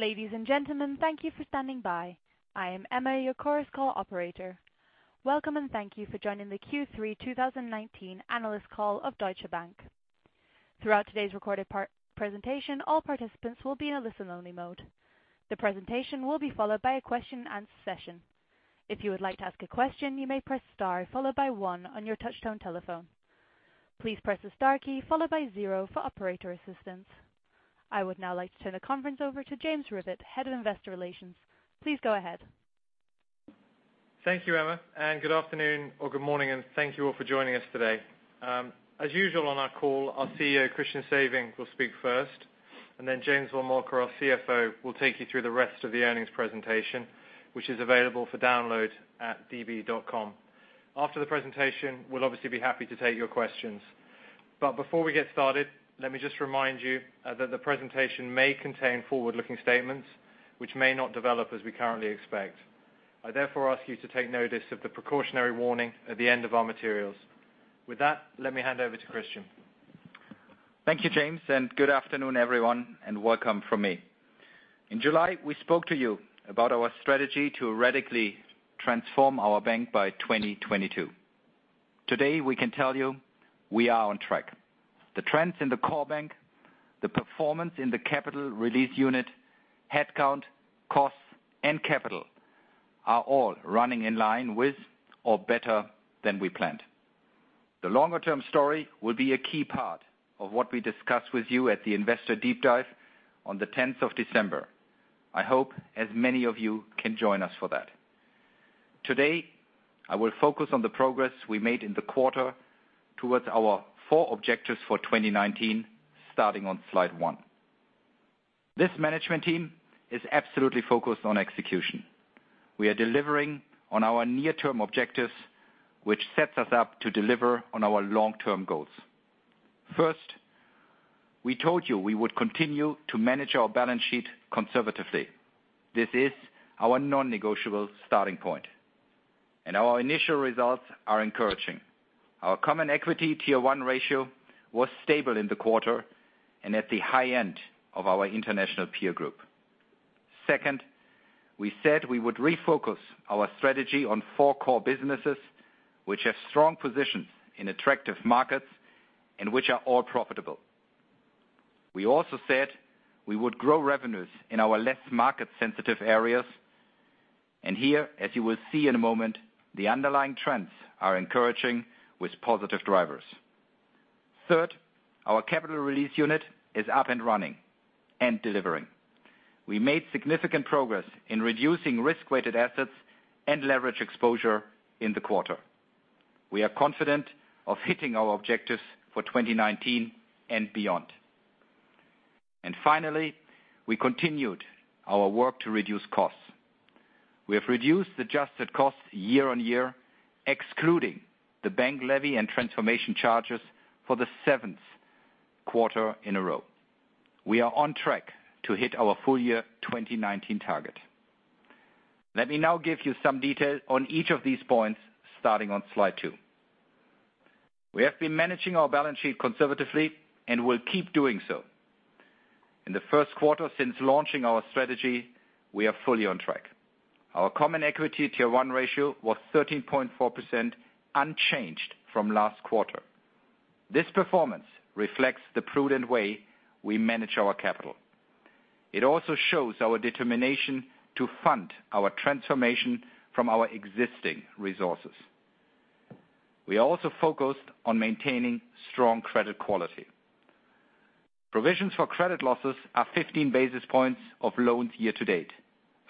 Ladies and gentlemen, thank you for standing by. I am Emma, your Chorus Call operator. Welcome, thank you for joining the Q3 2019 analyst call of Deutsche Bank. Throughout today's recorded presentation, all participants will be in a listen-only mode. The presentation will be followed by a question and answer session. If you would like to ask a question, you may press star followed by one on your touch-tone telephone. Please press the star key followed by zero for operator assistance. I would now like to turn the conference over to James Rivett, Head of Investor Relations. Please go ahead. Thank you, Emma, good afternoon or good morning, and thank you all for joining us today. As usual on our call, our CEO, Christian Sewing, will speak first, and then James von Moltke, our CFO, will take you through the rest of the earnings presentation, which is available for download at db.com. After the presentation, we'll obviously be happy to take your questions. Before we get started, let me just remind you, that the presentation may contain forward-looking statements which may not develop as we currently expect. I therefore ask you to take notice of the precautionary warning at the end of our materials. With that, let me hand over to Christian. Thank you, James, and good afternoon, everyone, and welcome from me. In July, we spoke to you about our strategy to radically transform our bank by 2022. Today, we can tell you we are on track. The trends in the core bank, the performance in the Capital Release Unit, headcount, costs, and capital are all running in line with or better than we planned. The longer-term story will be a key part of what we discuss with you at the investor deep dive on the 10th of December. I hope as many of you can join us for that. Today, I will focus on the progress we made in the quarter towards our four objectives for 2019, starting on slide one. This management team is absolutely focused on execution. We are delivering on our near-term objectives, which sets us up to deliver on our long-term goals. First, we told you we would continue to manage our balance sheet conservatively. This is our non-negotiable starting point. Our initial results are encouraging. Our Common Equity Tier 1 ratio was stable in the quarter and at the high end of our international peer group. Second, we said we would refocus our strategy on four core businesses, which have strong positions in attractive markets and which are all profitable. We also said we would grow revenues in our less market-sensitive areas, and here, as you will see in a moment, the underlying trends are encouraging with positive drivers. Third, our Capital Release Unit is up and running and delivering. We made significant progress in reducing risk-weighted assets and leverage exposure in the quarter. We are confident of hitting our objectives for 2019 and beyond. Finally, we continued our work to reduce costs. We have reduced adjusted costs year-on-year, excluding the bank levy and transformation charges for the seventh quarter in a row. We are on track to hit our full year 2019 target. Let me now give you some detail on each of these points, starting on slide two. We have been managing our balance sheet conservatively and will keep doing so. In the first quarter since launching our strategy, we are fully on track. Our Common Equity Tier 1 ratio was 13.4%, unchanged from last quarter. This performance reflects the prudent way we manage our capital. It also shows our determination to fund our transformation from our existing resources. We also focused on maintaining strong credit quality. Provisions for credit losses are 15 basis points of loans year-to-date,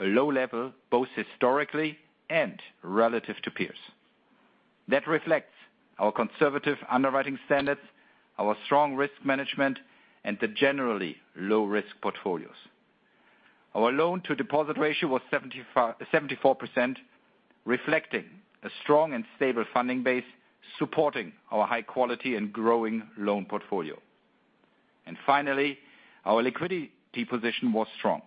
a low level, both historically and relative to peers. That reflects our conservative underwriting standards, our strong risk management, and the generally low-risk portfolios. Our loan-to-deposit ratio was 74%, reflecting a strong and stable funding base, supporting our high quality and growing loan portfolio. Finally, our liquidity position was strong.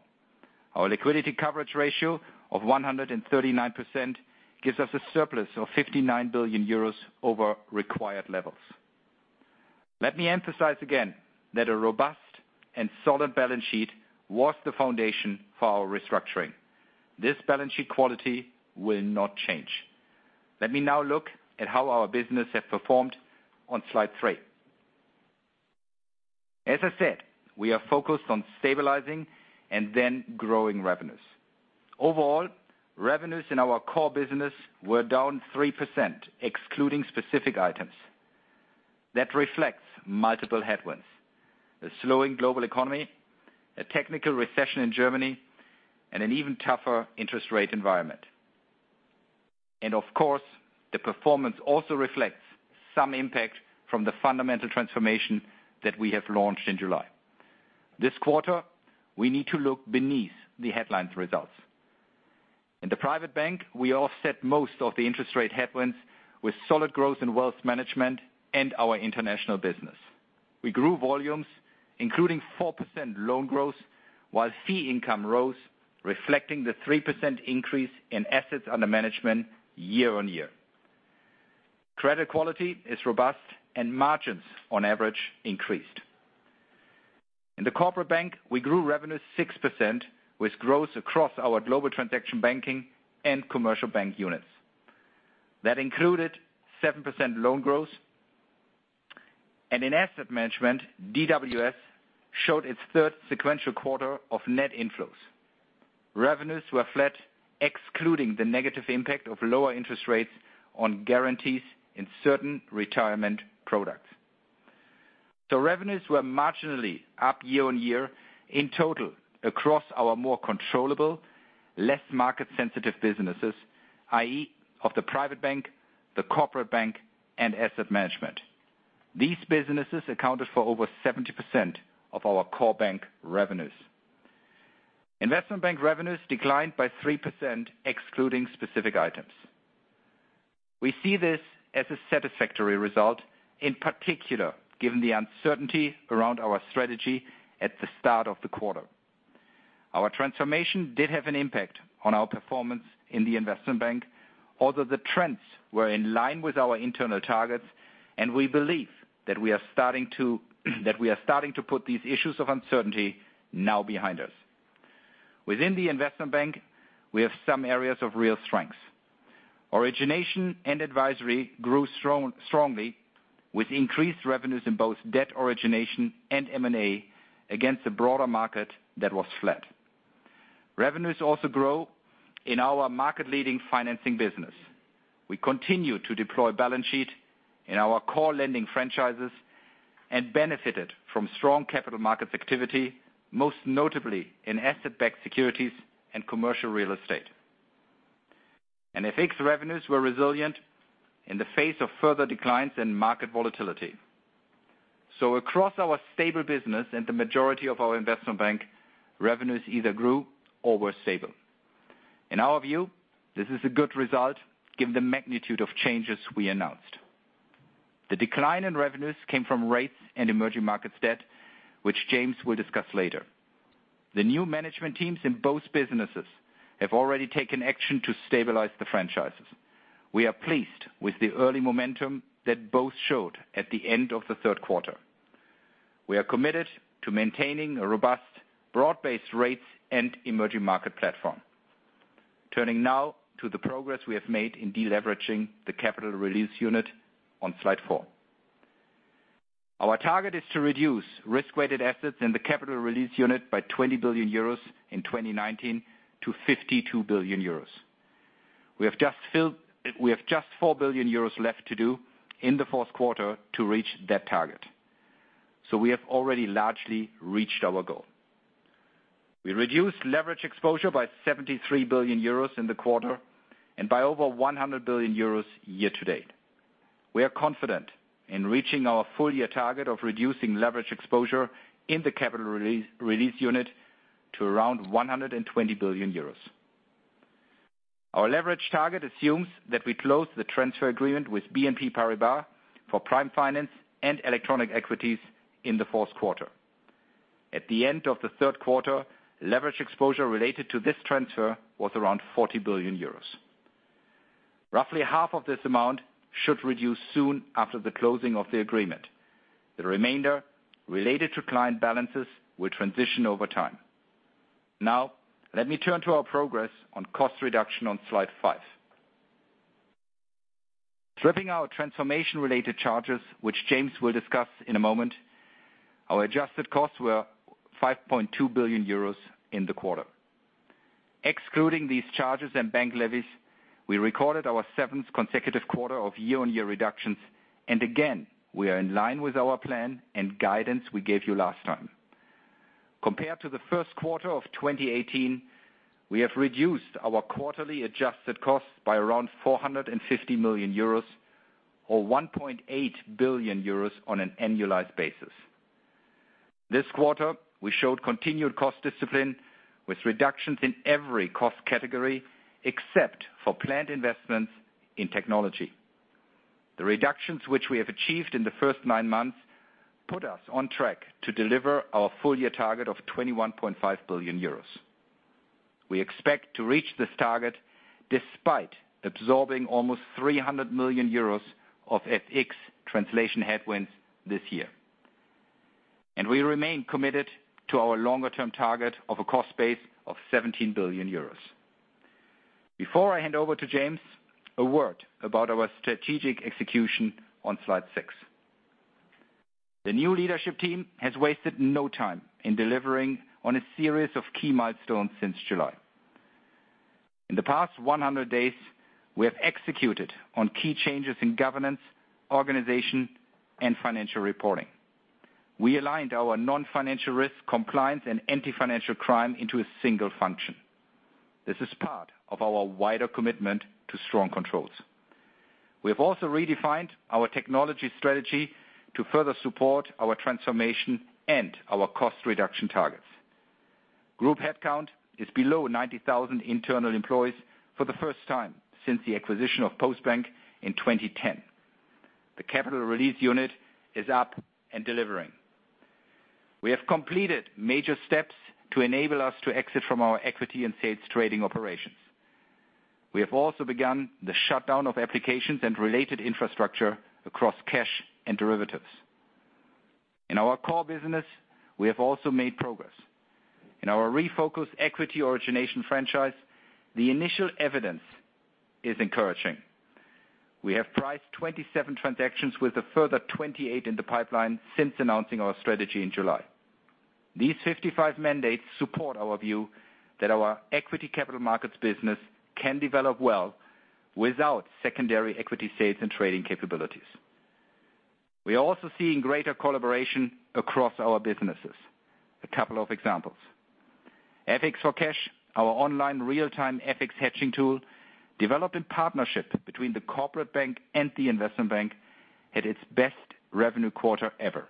Our liquidity coverage ratio of 139% gives us a surplus of 59 billion euros over required levels. Let me emphasize again that a robust and solid balance sheet was the foundation for our restructuring. This balance sheet quality will not change. Let me now look at how our business has performed on slide three. As I said, we are focused on stabilizing and then growing revenues. Overall, revenues in our core business were down 3%, excluding specific items. That reflects multiple headwinds: a slowing global economy, a technical recession in Germany, and an even tougher interest rate environment. Of course, the performance also reflects some impact from the fundamental transformation that we have launched in July. This quarter, we need to look beneath the headlines results. In the Private Bank, we offset most of the interest rate headwinds with solid growth in Wealth Management and our international business. We grew volumes, including 4% loan growth, while fee income rose, reflecting the 3% increase in assets under management year on year. Credit quality is robust and margins on average increased. In the Corporate Bank, we grew revenue 6%, with growth across our Global Transaction Banking and Commercial Bank units. That included 7% loan growth. In Asset Management, DWS showed its third sequential quarter of net inflows. Revenues were flat, excluding the negative impact of lower interest rates on guarantees in certain retirement products. Revenues were marginally up year-on-year in total across our more controllable, less market sensitive businesses, i.e. of the Private Bank, the Corporate Bank, and Asset Management. These businesses accounted for over 70% of our core bank revenues. Investment Bank revenues declined by 3%, excluding specific items. We see this as a satisfactory result, in particular, given the uncertainty around our strategy at the start of the quarter. Our transformation did have an impact on our performance in the Investment Bank, although the trends were in line with our internal targets, and we believe that we are starting to put these issues of uncertainty now behind us. Within the Investment Bank, we have some areas of real strengths. Origination and advisory grew strongly with increased revenues in both debt origination and M&A against a broader market that was flat. Revenues also grow in our market leading financing business. We continue to deploy balance sheet in our core lending franchises and benefited from strong capital markets activity, most notably in asset-backed securities and commercial real estate. FX revenues were resilient in the face of further declines in market volatility. Across our stable business and the majority of our investment bank, revenues either grew or were stable. In our view, this is a good result given the magnitude of changes we announced. The decline in revenues came from rates and emerging market debt, which James will discuss later. The new management teams in both businesses have already taken action to stabilize the franchises. We are pleased with the early momentum that both showed at the end of the third quarter. We are committed to maintaining a robust, broad-based rates and emerging market platform. Turning now to the progress we have made in deleveraging the Capital Release Unit on slide four. Our target is to reduce risk-weighted assets in the Capital Release Unit by 20 billion euros in 2019 to 52 billion euros. We have just 4 billion euros left to do in the fourth quarter to reach that target. We have already largely reached our goal. We reduced leverage exposure by 73 billion euros in the quarter and by over 100 billion euros year to date. We are confident in reaching our full year target of reducing leverage exposure in the Capital Release Unit to around 120 billion euros. Our leverage target assumes that we close the transfer agreement with BNP Paribas for prime finance and electronic equities in the fourth quarter. At the end of the third quarter, leverage exposure related to this transfer was around 40 billion euros. Roughly half of this amount should reduce soon after the closing of the agreement. The remainder related to client balances will transition over time. Let me turn to our progress on cost reduction on slide five. Stripping our transformation related charges, which James will discuss in a moment, our adjusted costs were 5.2 billion euros in the quarter. Excluding these charges and bank levies, we recorded our seventh consecutive quarter of year-on-year reductions. Again, we are in line with our plan and guidance we gave you last time. Compared to the first quarter of 2018, we have reduced our quarterly adjusted costs by around 450 million euros or 1.8 billion euros on an annualized basis. This quarter, we showed continued cost discipline with reductions in every cost category except for planned investments in technology. The reductions which we have achieved in the first nine months put us on track to deliver our full year target of 21.5 billion euros. We expect to reach this target despite absorbing almost 300 million euros of FX translation headwinds this year. We remain committed to our longer-term target of a cost base of 17 billion euros. Before I hand over to James, a word about our strategic execution on slide six. The new leadership team has wasted no time in delivering on a series of key milestones since July. In the past 100 days, we have executed on key changes in governance, organization, and financial reporting. We aligned our non-financial risk compliance and anti-financial crime into a single function. This is part of our wider commitment to strong controls. We have also redefined our technology strategy to further support our transformation and our cost reduction targets. Group headcount is below 90,000 internal employees for the first time since the acquisition of Postbank in 2010. The Capital Release Unit is up and delivering. We have completed major steps to enable us to exit from our equity and sales trading operations. We have also begun the shutdown of applications and related infrastructure across cash and derivatives. In our core business, we have also made progress. In our refocused equity origination franchise, the initial evidence is encouraging. We have priced 27 transactions with a further 28 in the pipeline since announcing our strategy in July. These 55 mandates support our view that our equity capital markets business can develop well without secondary equity sales and trading capabilities. We are also seeing greater collaboration across our businesses. A couple of examples. FX4Cash, our online real-time FX hedging tool, developed in partnership between the Corporate Bank and the Investment Bank, had its best revenue quarter ever.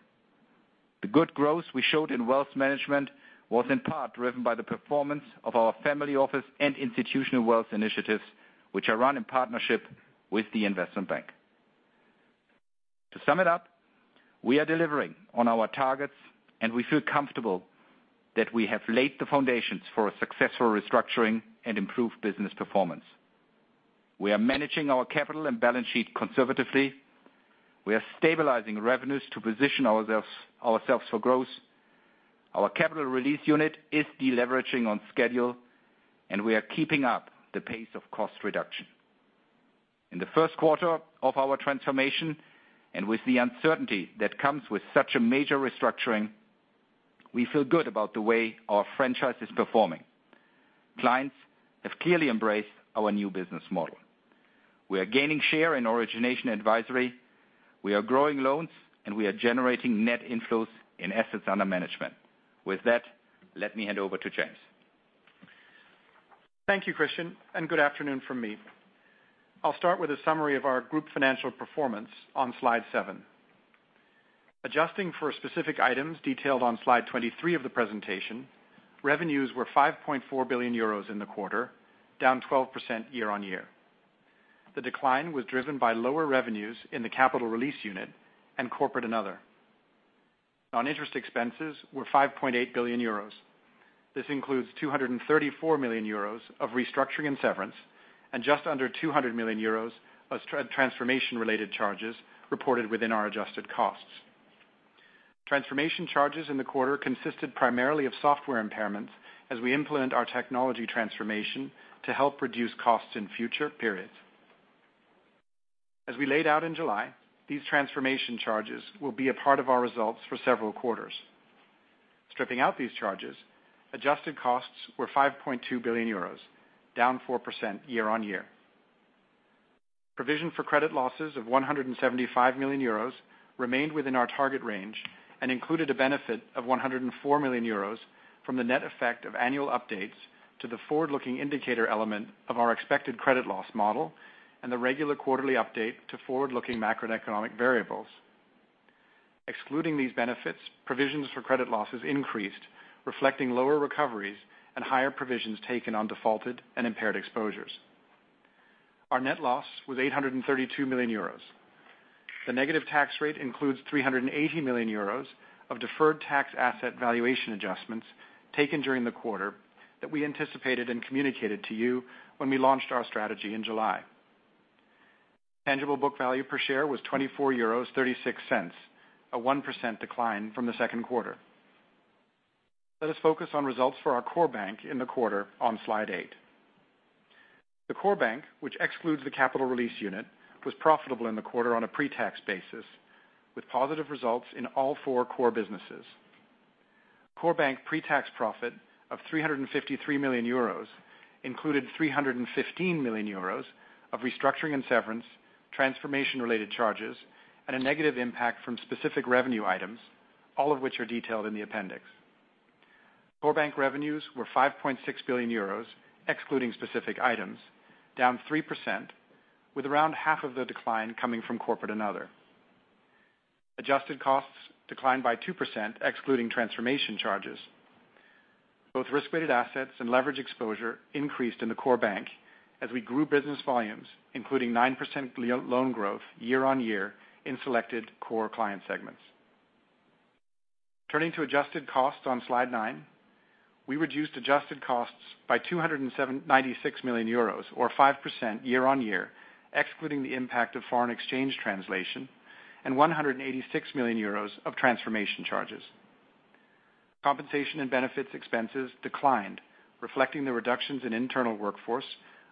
The good growth we showed in wealth management was in part driven by the performance of our family office and institutional wealth initiatives, which are run in partnership with the Investment Bank. To sum it up, we are delivering on our targets, and we feel comfortable that we have laid the foundations for a successful restructuring and improved business performance. We are managing our capital and balance sheet conservatively. We are stabilizing revenues to position ourselves for growth. Our Capital Release Unit is deleveraging on schedule, and we are keeping up the pace of cost reduction. In the first quarter of our transformation, and with the uncertainty that comes with such a major restructuring, we feel good about the way our franchise is performing. Clients have clearly embraced our new business model. We are gaining share in origination advisory, we are growing loans, and we are generating net inflows in assets under management. With that, let me hand over to James. Thank you, Christian, and good afternoon from me. I'll start with a summary of our group financial performance on slide seven. Adjusting for specific items detailed on slide 23 of the presentation, revenues were 5.4 billion euros in the quarter, down 12% year-on-year. The decline was driven by lower revenues in the Capital Release Unit and Corporate & Other. Non-interest expenses were 5.8 billion euros. This includes 234 million euros of restructuring and severance and just under 200 million euros of transformation-related charges reported within our adjusted costs. Transformation charges in the quarter consisted primarily of software impairments as we implement our technology transformation to help reduce costs in future periods. As we laid out in July, these transformation charges will be a part of our results for several quarters. Stripping out these charges, adjusted costs were 5.2 billion euros, down 4% year-on-year. Provision for credit losses of 175 million euros remained within our target range and included a benefit of 104 million euros from the net effect of annual updates to the forward-looking indicator element of our Expected Credit Loss model and the regular quarterly update to forward-looking macroeconomic variables. Excluding these benefits, provisions for credit losses increased, reflecting lower recoveries and higher provisions taken on defaulted and impaired exposures. Our net loss was 832 million euros. The negative tax rate includes 380 million euros of Deferred Tax Asset valuation adjustments taken during the quarter that we anticipated and communicated to you when we launched our strategy in July. Tangible Book Value per Share was 24.36 euros, a 1% decline from the second quarter. Let us focus on results for our core bank in the quarter on Slide eight. The Core Bank, which excludes the Capital Release Unit, was profitable in the quarter on a pre-tax basis, with positive results in all four core businesses. Core Bank pre-tax profit of 353 million euros included 315 million euros of restructuring and severance, transformation-related charges, and a negative impact from specific revenue items, all of which are detailed in the appendix. Core Bank revenues were 5.6 billion euros, excluding specific items, down 3%, with around half of the decline coming from Corporate & Other. Adjusted Costs declined by 2%, excluding transformation charges. Both risk-weighted assets and leverage exposure increased in the Core Bank as we grew business volumes, including 9% loan growth year-on-year in selected core client segments. Turning to Adjusted Costs on Slide Nine, we reduced Adjusted Costs by 296 million euros, or 5% year-on-year, excluding the impact of foreign exchange translation and 186 million euros of transformation charges. Compensation and benefits expenses declined, reflecting the reductions in internal workforce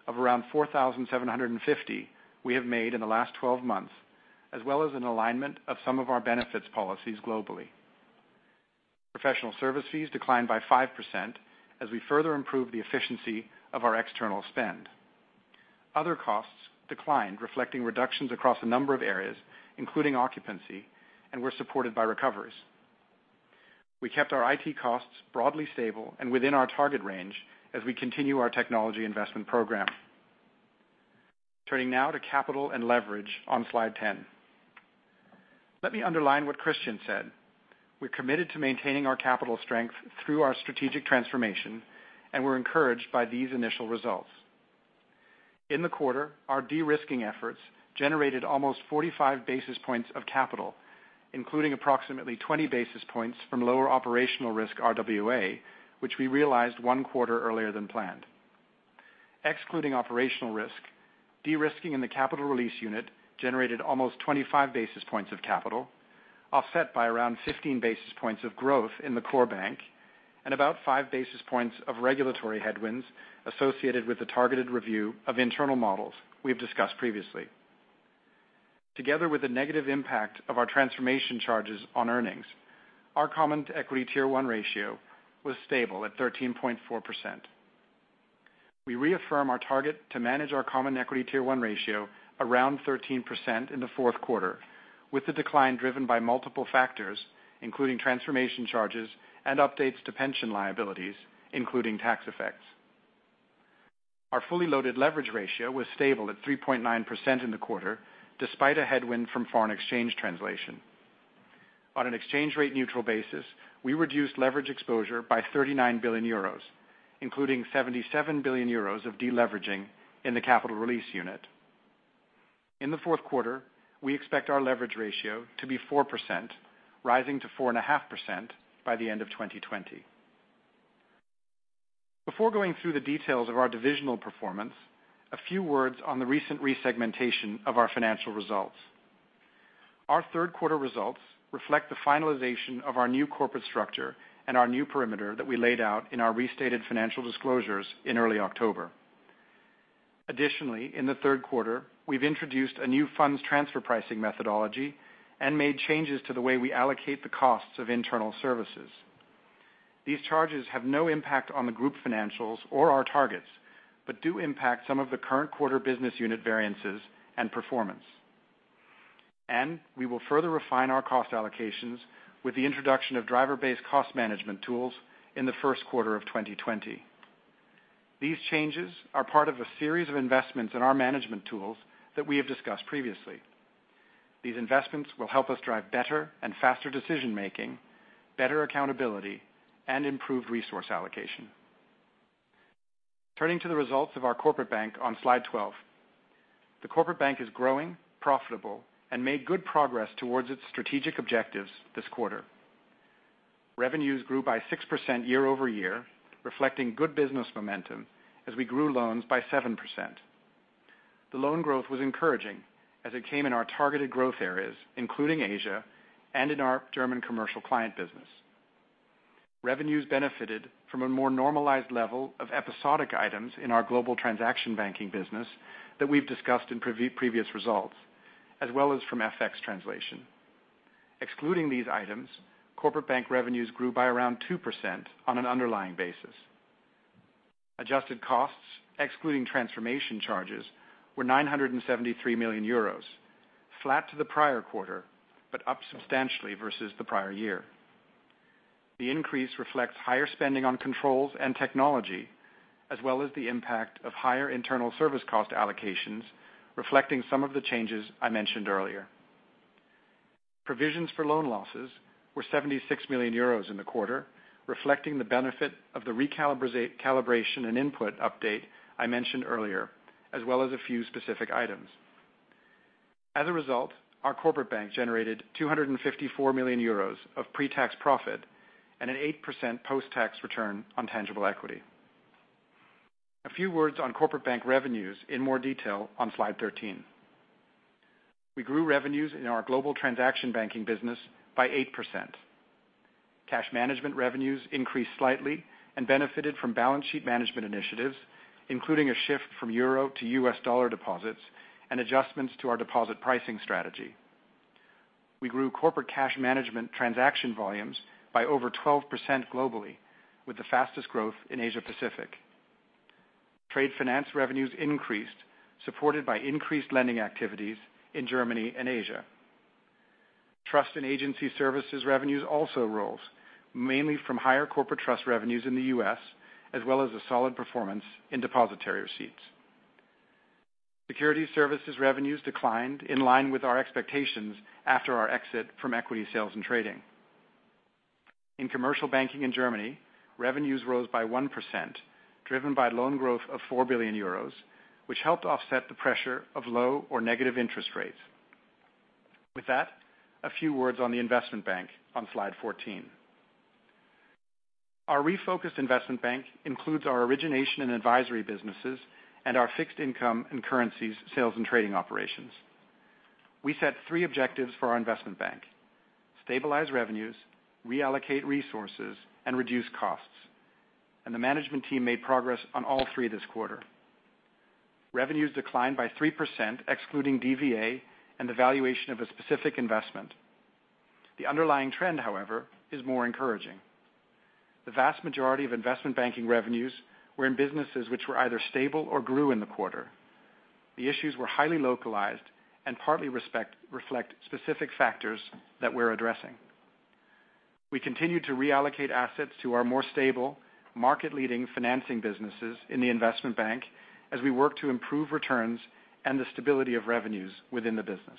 of around 4,750 we have made in the last 12 months, as well as an alignment of some of our benefits policies globally. Professional service fees declined by 5% as we further improved the efficiency of our external spend. Other costs declined, reflecting reductions across a number of areas, including occupancy, and were supported by recoveries. We kept our IT costs broadly stable and within our target range as we continue our technology investment program. Turning now to capital and leverage on Slide 10. Let me underline what Christian said. We're committed to maintaining our capital strength through our strategic transformation, and we're encouraged by these initial results. In the quarter, our de-risking efforts generated almost 45 basis points of capital, including approximately 20 basis points from lower operational risk RWA, which we realized one quarter earlier than planned. Excluding operational risk, de-risking in the Capital Release Unit generated almost 25 basis points of capital, offset by around 15 basis points of growth in the core bank, and about 5 basis points of regulatory headwinds associated with the Targeted Review of Internal Models we have discussed previously. Together with the negative impact of our transformation charges on earnings, our Common Equity Tier 1 ratio was stable at 13.4%. We reaffirm our target to manage our Common Equity Tier 1 ratio around 13% in the fourth quarter, with the decline driven by multiple factors, including transformation charges and updates to pension liabilities, including tax effects. Our fully loaded leverage ratio was stable at 3.9% in the quarter, despite a headwind from foreign exchange translation. On an exchange rate neutral basis, we reduced leverage exposure by 39 billion euros, including 77 billion euros of de-leveraging in the Capital Release Unit. In the fourth quarter, we expect our leverage ratio to be 4%, rising to 4.5% by the end of 2020. Before going through the details of our divisional performance, a few words on the recent resegmentation of our financial results. Our third quarter results reflect the finalization of our new corporate structure and our new perimeter that we laid out in our restated financial disclosures in early October. Additionally, in the third quarter, we've introduced a new funds transfer pricing methodology and made changes to the way we allocate the costs of internal services. These charges have no impact on the group financials or our targets, but do impact some of the current quarter business unit variances and performance. We will further refine our cost allocations with the introduction of driver-based cost management tools in the first quarter of 2020. These changes are part of a series of investments in our management tools that we have discussed previously. These investments will help us drive better and faster decision-making, better accountability, and improved resource allocation. Turning to the results of our Corporate Bank on Slide 12. The Corporate Bank is growing, profitable, and made good progress towards its strategic objectives this quarter. Revenues grew by 6% year-over-year, reflecting good business momentum as we grew loans by 7%. The loan growth was encouraging as it came in our targeted growth areas, including Asia, and in our German commercial client business. Revenues benefited from a more normalized level of episodic items in our Global Transaction Banking business that we've discussed in previous results, as well as from FX translation. Excluding these items, Corporate Bank revenues grew by around 2% on an underlying basis. Adjusted costs, excluding transformation charges, were 973 million euros, flat to the prior quarter, but up substantially versus the prior year. The increase reflects higher spending on controls and technology, as well as the impact of higher internal service cost allocations, reflecting some of the changes I mentioned earlier. Provisions for loan losses were 76 million euros in the quarter, reflecting the benefit of the recalibration and input update I mentioned earlier, as well as a few specific items. As a result, our Corporate Bank generated 254 million euros of pre-tax profit and an 8% post-tax Return on Tangible Equity. A few words on Corporate Bank revenues in more detail on Slide 13. We grew revenues in our global transaction banking business by 8%. Cash management revenues increased slightly and benefited from balance sheet management initiatives, including a shift from euro to US dollar deposits, and adjustments to our deposit pricing strategy. We grew corporate cash management transaction volumes by over 12% globally, with the fastest growth in Asia Pacific. Trade finance revenues increased, supported by increased lending activities in Germany and Asia. Trust and agency services revenues also rose, mainly from higher corporate trust revenues in the U.S., as well as a solid performance in depositary receipts. Security services revenues declined in line with our expectations after our exit from equity sales and trading. In commercial banking in Germany, revenues rose by 1%, driven by loan growth of 4 billion euros, which helped offset the pressure of low or negative interest rates. With that, a few words on the investment bank on Slide 14. Our refocused investment bank includes our origination and advisory businesses and our fixed income and currencies sales and trading operations. We set three objectives for our Investment Bank, stabilize revenues, reallocate resources, and reduce costs. The management team made progress on all three this quarter. Revenues declined by 3%, excluding DVA and the valuation of a specific investment. The underlying trend, however, is more encouraging. The vast majority of investment banking revenues were in businesses which were either stable or grew in the quarter. The issues were highly localized and partly reflect specific factors that we're addressing. We continue to reallocate assets to our more stable market-leading financing businesses in the Investment Bank as we work to improve returns and the stability of revenues within the business.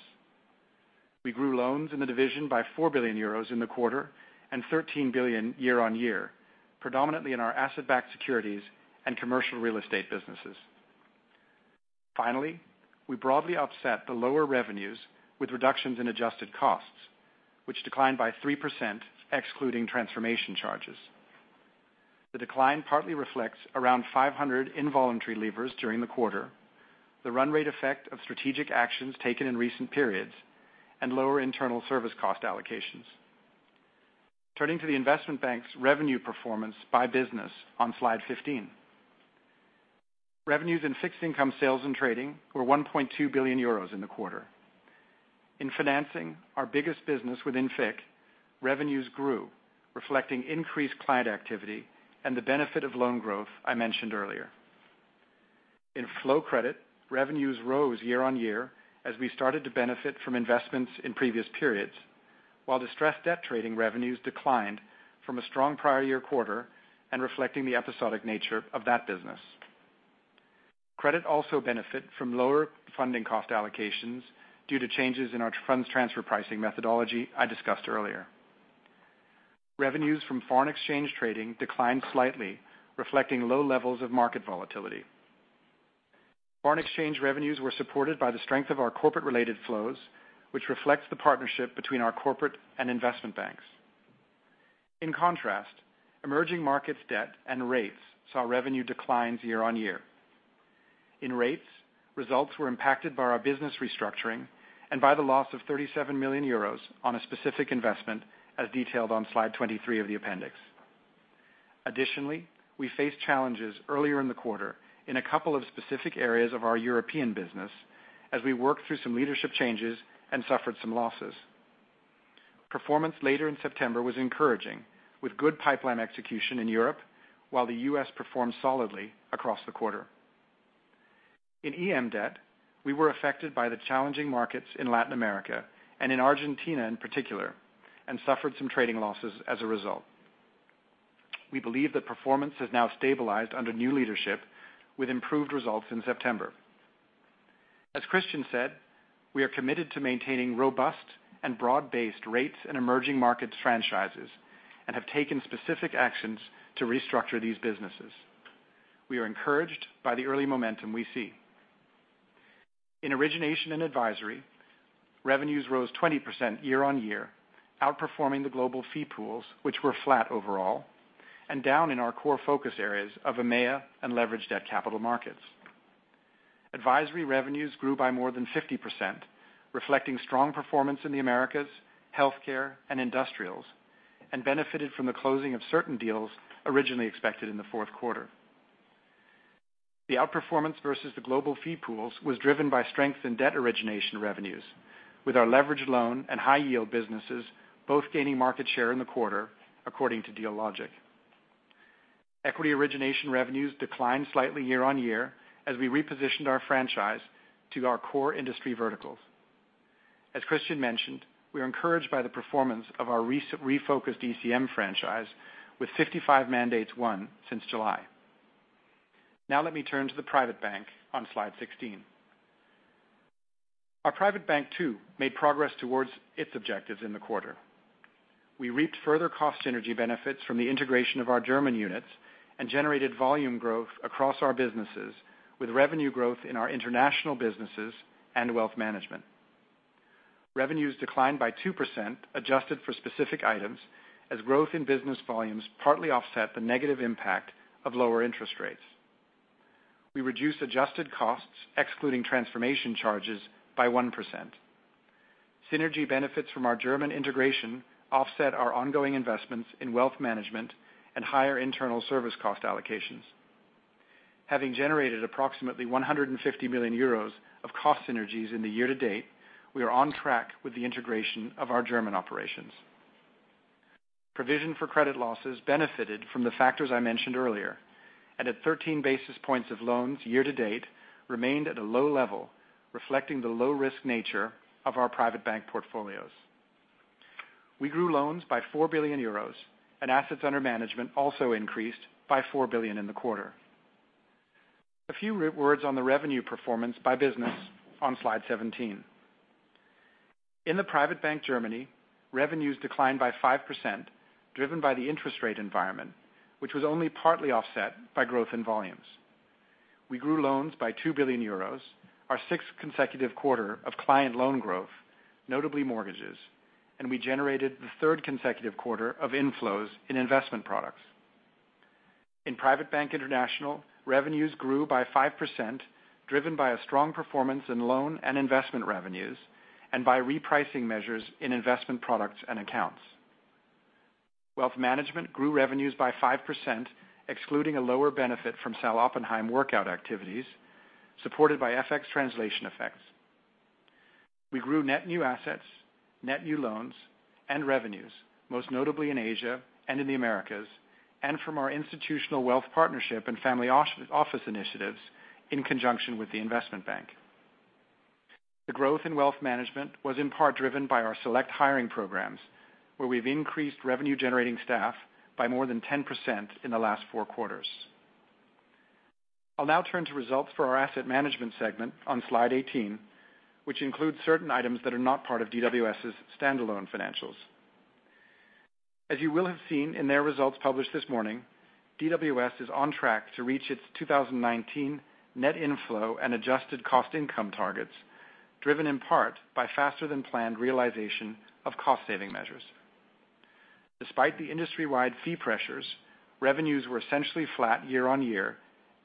We grew loans in the division by 4 billion euros in the quarter and 13 billion year-on-year, predominantly in our asset-backed securities and commercial real estate businesses. Finally, we broadly offset the lower revenues with reductions in adjusted costs, which declined by 3%, excluding transformation charges. The decline partly reflects around 500 involuntary leavers during the quarter, the run rate effect of strategic actions taken in recent periods and lower internal service cost allocations. Turning to the Investment Bank's revenue performance by business on slide 15. Revenues in fixed income sales and trading were 1.2 billion euros in the quarter. In financing, our biggest business within FIC, revenues grew, reflecting increased client activity and the benefit of loan growth I mentioned earlier. In flow credit, revenues rose year-on-year as we started to benefit from investments in previous periods, while distressed debt trading revenues declined from a strong prior year quarter and reflecting the episodic nature of that business. Credit also benefit from lower funding cost allocations due to changes in our Funds Transfer Pricing methodology I discussed earlier. Revenues from foreign exchange trading declined slightly, reflecting low levels of market volatility. Foreign exchange revenues were supported by the strength of our corporate-related flows, which reflects the partnership between our Corporate Bank and investment banks. In contrast, emerging markets debt and rates saw revenue declines year-on-year. In rates, results were impacted by our business restructuring and by the loss of 37 million euros on a specific investment, as detailed on slide 23 of the appendix. Additionally, we faced challenges earlier in the quarter in a couple of specific areas of our European business as we worked through some leadership changes and suffered some losses. Performance later in September was encouraging, with good pipeline execution in Europe, while the U.S. performed solidly across the quarter. In EM debt, we were affected by the challenging markets in Latin America and in Argentina in particular, and suffered some trading losses as a result. We believe that performance has now stabilized under new leadership with improved results in September. As Christian said, we are committed to maintaining robust and broad-based rates in emerging markets franchises and have taken specific actions to restructure these businesses. We are encouraged by the early momentum we see. In origination and advisory, revenues rose 20% year-on-year, outperforming the global fee pools, which were flat overall, and down in our core focus areas of EMEA and leveraged debt capital markets. Advisory revenues grew by more than 50%, reflecting strong performance in the Americas, healthcare, and industrials, and benefited from the closing of certain deals originally expected in the fourth quarter. The outperformance versus the global fee pools was driven by strength in debt origination revenues, with our leveraged loan and high yield businesses both gaining market share in the quarter, according to Dealogic. Equity origination revenues declined slightly year-on-year as we repositioned our franchise to our core industry verticals. As Christian mentioned, we are encouraged by the performance of our refocused ECM franchise with 55 mandates won since July. Let me turn to the Private Bank on slide 16. Our Private Bank too, made progress towards its objectives in the quarter. We reaped further cost synergy benefits from the integration of our German units and generated volume growth across our businesses, with revenue growth in our international businesses and wealth management. Revenues declined by 2%, adjusted for specific items, as growth in business volumes partly offset the negative impact of lower interest rates. We reduced adjusted costs, excluding transformation charges, by 1%. Synergy benefits from our German integration offset our ongoing investments in wealth management and higher internal service cost allocations. Having generated approximately 150 million euros of cost synergies in the year to date, we are on track with the integration of our German operations. Provision for credit losses benefited from the factors I mentioned earlier, and at 13 basis points of loans year to date remained at a low level, reflecting the low-risk nature of our Private Bank portfolios. We grew loans by 4 billion euros and assets under management also increased by 4 billion in the quarter. A few words on the revenue performance by business on slide 17. In the Private Bank Germany, revenues declined by 5%, driven by the interest rate environment, which was only partly offset by growth in volumes. We grew loans by 2 billion euros, our sixth consecutive quarter of client loan growth, notably mortgages, and we generated the third consecutive quarter of inflows in investment products. In Private Bank International, revenues grew by 5%, driven by a strong performance in loan and investment revenues and by repricing measures in investment products and accounts. Wealth Management grew revenues by 5%, excluding a lower benefit from Sal. Oppenheim workout activities supported by FX translation effects. We grew net new assets, net new loans, and revenues, most notably in Asia and in the Americas, and from our institutional wealth partnership and family office initiatives in conjunction with the Investment Bank. The growth in Wealth Management was in part driven by our select hiring programs, where we've increased revenue-generating staff by more than 10% in the last four quarters. I'll now turn to results for our asset management segment on slide 18, which includes certain items that are not part of DWS's standalone financials. As you will have seen in their results published this morning, DWS is on track to reach its 2019 net inflow and adjusted cost income targets, driven in part by faster than planned realization of cost saving measures. Despite the industry-wide fee pressures, revenues were essentially flat year-on-year,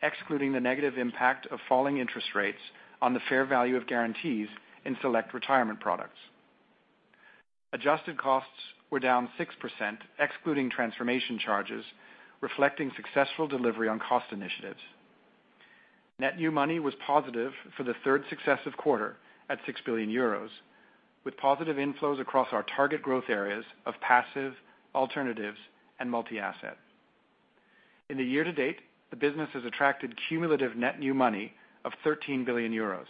excluding the negative impact of falling interest rates on the fair value of guarantees in select retirement products. Adjusted costs were down 6%, excluding transformation charges, reflecting successful delivery on cost initiatives. Net new money was positive for the third successive quarter at 6 billion euros, with positive inflows across our target growth areas of passive, alternatives and multi-asset. In the year to date, the business has attracted cumulative net new money of 13 billion euros.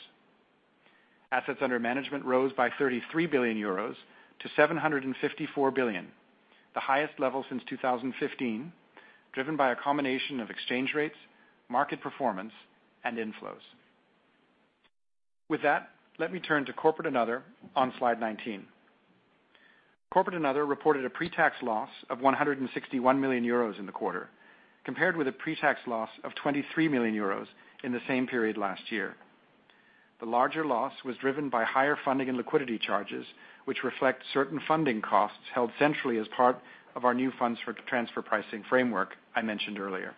Assets under management rose by 33 billion euros to 754 billion, the highest level since 2015, driven by a combination of exchange rates, market performance and inflows. With that, let me turn to Corporate & Other on slide 19. Corporate & Other reported a pre-tax loss of 161 million euros in the quarter, compared with a pre-tax loss of 23 million euros in the same period last year. The larger loss was driven by higher funding and liquidity charges, which reflect certain funding costs held centrally as part of our new Funds Transfer Pricing framework I mentioned earlier.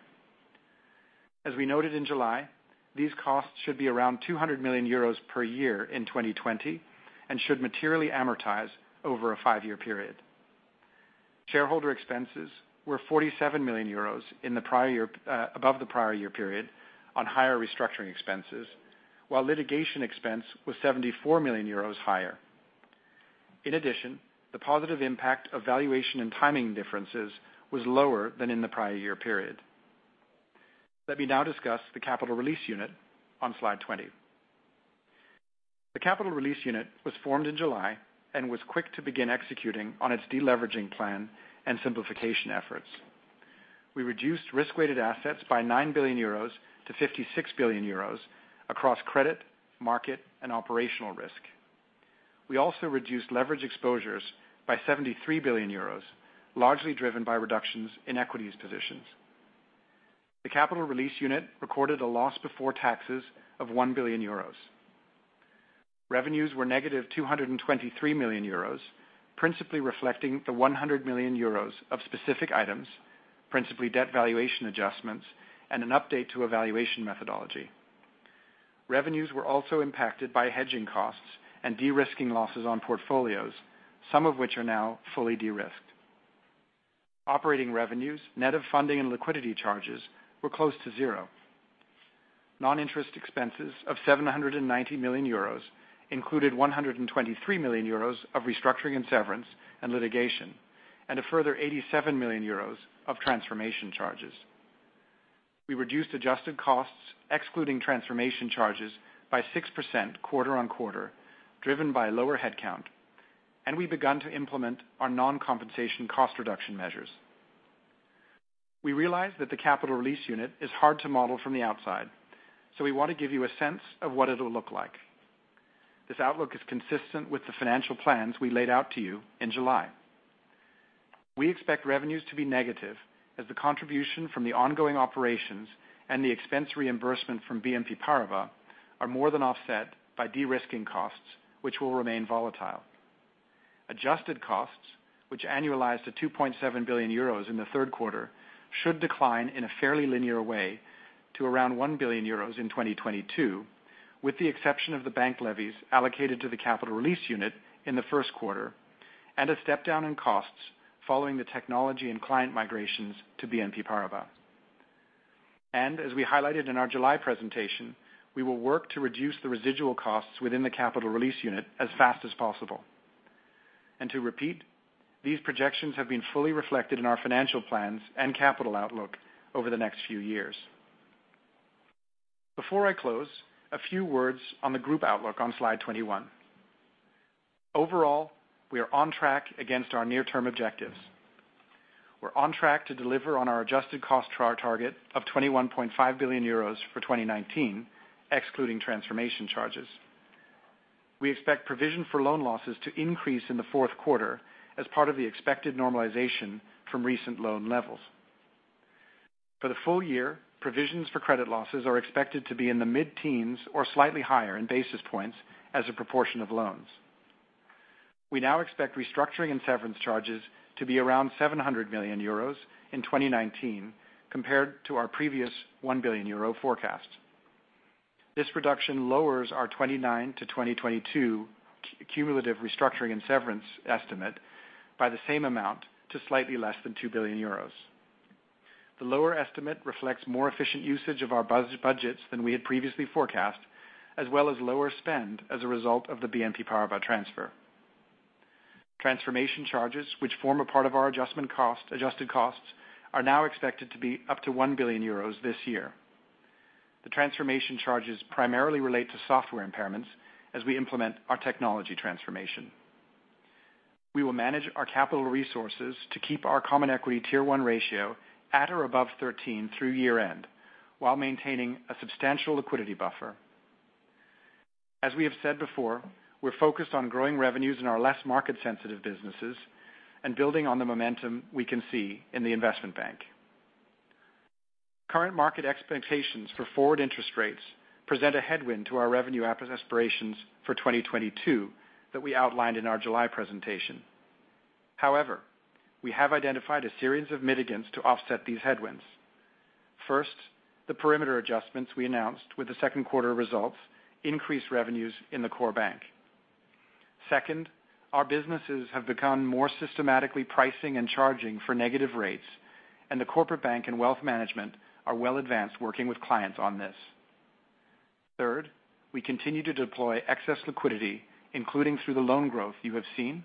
As we noted in July, these costs should be around 200 million euros per year in 2020 and should materially amortize over a five-year period. Shareholder expenses were 47 million euros above the prior year period on higher restructuring expenses, while litigation expense was 74 million euros higher. In addition, the positive impact of valuation and timing differences was lower than in the prior year period. Let me now discuss the Capital Release Unit on Slide 20. The Capital Release Unit was formed in July and was quick to begin executing on its deleveraging plan and simplification efforts. We reduced risk-weighted assets by 9 billion euros to 56 billion euros across credit, market, and operational risk. We also reduced leverage exposures by 73 billion euros, largely driven by reductions in equities positions. The Capital Release Unit recorded a loss before taxes of 1 billion euros. Revenues were negative 223 million euros, principally reflecting the 100 million euros of specific items, principally debt valuation adjustments and an update to a valuation methodology. Revenues were also impacted by hedging costs and de-risking losses on portfolios, some of which are now fully de-risked. Operating revenues, net of funding and liquidity charges, were close to zero. Non-interest expenses of 790 million euros included 123 million euros of restructuring and severance and litigation, and a further 87 million euros of transformation charges. We reduced adjusted costs, excluding transformation charges, by 6% quarter-on-quarter, driven by lower headcount, and we've begun to implement our non-compensation cost reduction measures. We realize that the Capital Release Unit is hard to model from the outside, so we want to give you a sense of what it'll look like. This outlook is consistent with the financial plans we laid out to you in July. We expect revenues to be negative as the contribution from the ongoing operations and the expense reimbursement from BNP Paribas are more than offset by de-risking costs, which will remain volatile. Adjusted costs, which annualized to 2.7 billion euros in the third quarter, should decline in a fairly linear way to around 1 billion euros in 2022, with the exception of the bank levies allocated to the Capital Release Unit in the first quarter, and a step down in costs following the technology and client migrations to BNP Paribas. As we highlighted in our July presentation, we will work to reduce the residual costs within the Capital Release Unit as fast as possible. To repeat, these projections have been fully reflected in our financial plans and capital outlook over the next few years. Before I close, a few words on the group outlook on slide 21. Overall, we are on track against our near-term objectives. We are on track to deliver on our adjusted cost to our target of 21.5 billion euros for 2019, excluding transformation charges. We expect provision for loan losses to increase in the fourth quarter as part of the expected normalization from recent loan levels. For the full year, provisions for credit losses are expected to be in the mid-teens or slightly higher in basis points as a proportion of loans. We now expect restructuring and severance charges to be around 700 million euros in 2019 compared to our previous 1 billion euro forecast. This reduction lowers our 2019 to 2022 cumulative restructuring and severance estimate by the same amount to slightly less than 2 billion euros. The lower estimate reflects more efficient usage of our budgets than we had previously forecast, as well as lower spend as a result of the BNP Paribas transfer. Transformation charges, which form a part of our adjusted costs, are now expected to be up to 1 billion euros this year. The transformation charges primarily relate to software impairments as we implement our technology transformation. We will manage our capital resources to keep our Common Equity Tier 1 ratio at or above 13 through year-end, while maintaining a substantial liquidity buffer. As we have said before, we're focused on growing revenues in our less market-sensitive businesses and building on the momentum we can see in the investment bank. Current market expectations for forward interest rates present a headwind to our revenue aspirations for 2022 that we outlined in our July presentation. We have identified a series of mitigants to offset these headwinds. First, the perimeter adjustments we announced with the second quarter results increased revenues in the core bank. Second, our businesses have become more systematically pricing and charging for negative rates, and the Corporate Bank and wealth management are well advanced working with clients on this. Third, we continue to deploy excess liquidity, including through the loan growth you have seen.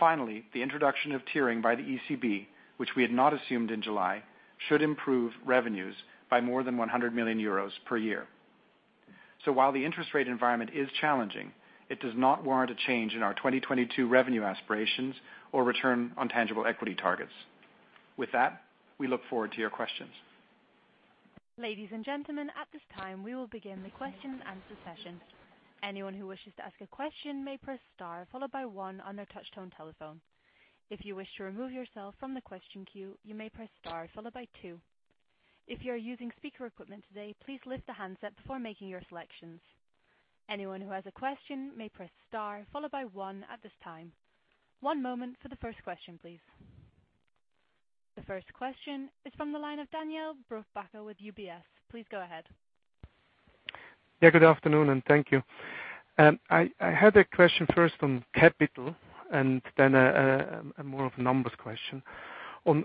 Finally, the introduction of tiering by the ECB, which we had not assumed in July, should improve revenues by more than 100 million euros per year. While the interest rate environment is challenging, it does not warrant a change in our 2022 revenue aspirations or return on tangible equity targets. With that, we look forward to your questions. Ladies and gentlemen, at this time we will begin the question and answer session. Anyone who wishes to ask a question may press star followed by one on their touchtone telephone. If you wish to remove yourself from the question queue, you may press star followed by two. If you are using speaker equipment today, please lift the handset before making your selections. Anyone who has a question may press star followed by one at this time. One moment for the first question, please. The first question is from the line of Daniele Brupbacher with UBS. Please go ahead. Yeah, good afternoon, and thank you. I had a question first on capital and then more of a numbers question. On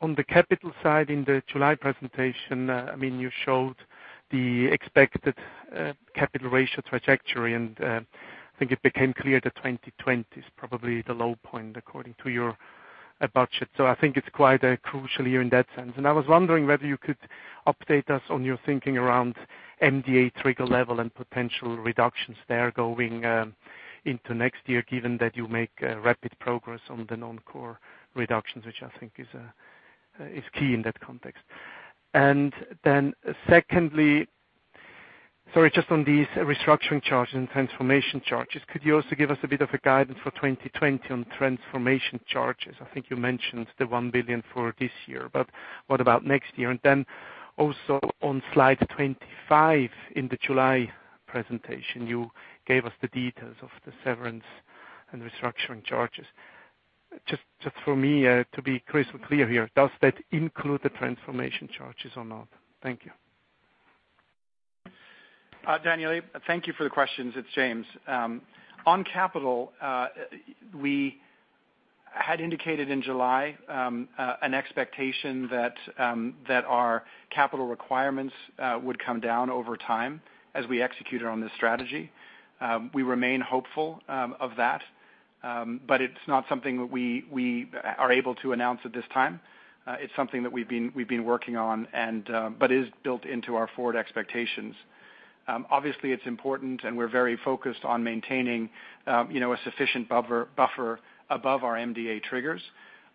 the capital side in the July presentation, you showed the expected capital ratio trajectory, and I think it became clear that 2020 is probably the low point according to your budget. I think it's quite crucial here in that sense. I was wondering whether you could update us on your thinking around MDA trigger level and potential reductions there going into next year, given that you make rapid progress on the non-core reductions, which I think is key in that context. Secondly, sorry, just on these restructuring charges and transformation charges, could you also give us a bit of a guidance for 2020 on transformation charges? I think you mentioned the 1 billion for this year. What about next year? Also on slide 25 in the July presentation, you gave us the details of the severance and restructuring charges. For me to be crystal clear here, does that include the transformation charges or not? Thank you. Daniele, thank you for the questions. It's James. On capital, we had indicated in July an expectation that our capital requirements would come down over time as we executed on this strategy. We remain hopeful of that, but it's not something that we are able to announce at this time. It's something that we've been working on but is built into our forward expectations. Obviously, it's important, and we're very focused on maintaining a sufficient buffer above our MDA triggers,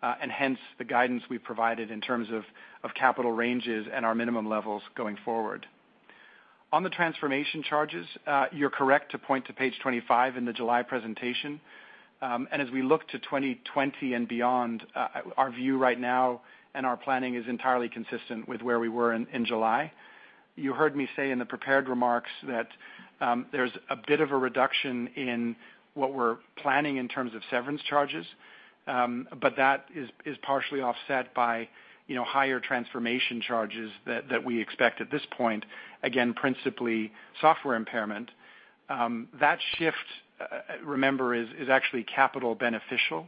and hence the guidance we provided in terms of capital ranges and our minimum levels going forward. On the transformation charges, you're correct to point to page 25 in the July presentation. As we look to 2020 and beyond, our view right now and our planning is entirely consistent with where we were in July. You heard me say in the prepared remarks that there's a bit of a reduction in what we're planning in terms of severance charges. That is partially offset by higher transformation charges that we expect at this point, again, principally software impairment. That shift, remember, is actually capital beneficial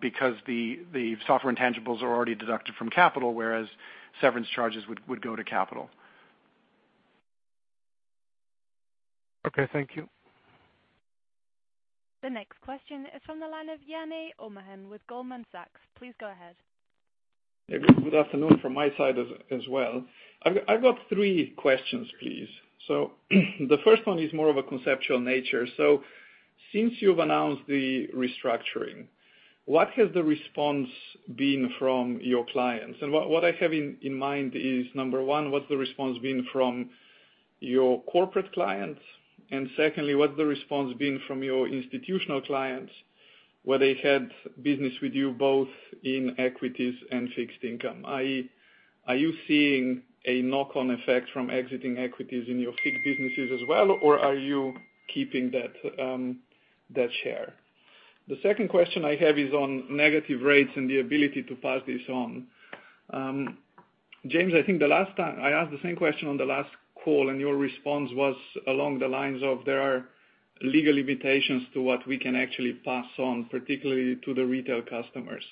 because the software intangibles are already deducted from capital, whereas severance charges would go to capital. Okay, thank you. The next question is from the line of Jernej Omahen with Goldman Sachs. Please go ahead. Good afternoon from my side as well. I've got three questions, please. The first one is more of a conceptual nature. Since you've announced the restructuring, what has the response been from your clients? What I have in mind is, number one, what's the response been from your corporate clients? Secondly, what's the response been from your institutional clients, where they had business with you both in equities and fixed income? Are you seeing a knock-on effect from exiting equities in your FICC businesses as well, or are you keeping that share? The second question I have is on negative rates and the ability to pass this on. James, I think I asked the same question on the last call, and your response was along the lines of there are legal limitations to what we can actually pass on, particularly to the retail customers.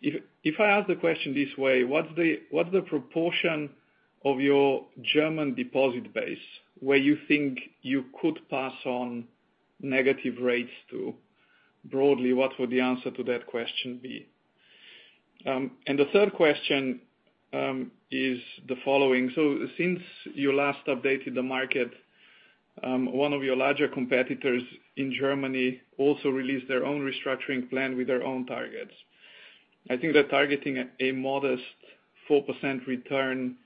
If I ask the question this way, what's the proportion of your German deposit base, where you think you could pass on negative rates to? Broadly, what would the answer to that question be? The third question is the following. Since you last updated the market, one of your larger competitors in Germany also released their own restructuring plan with their own targets. I think they're targeting a modest 4% return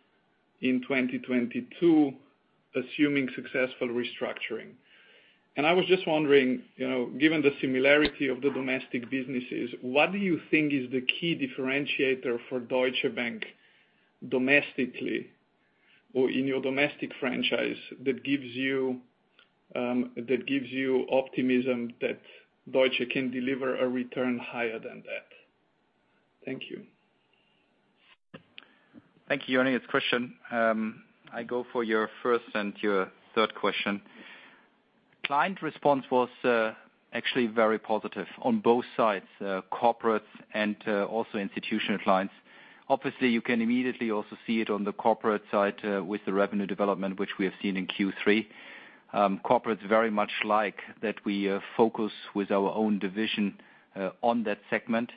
in 2022, assuming successful restructuring. And I was just wondering, given the similarity of the domestic businesses, what do you think is the key differentiator for Deutsche Bank domestically or in your domestic franchise that gives you optimism that Deutsche can deliver a return higher than that? Thank you. Thank you, Jernej. It's Christian. I go for your first and your third question. Client response was actually very positive on both sides, corporate and also institutional clients. Obviously, you can immediately also see it on the corporate side with the revenue development, which we have seen in Q3. Corporates very much like that we focus with our own division on that segment.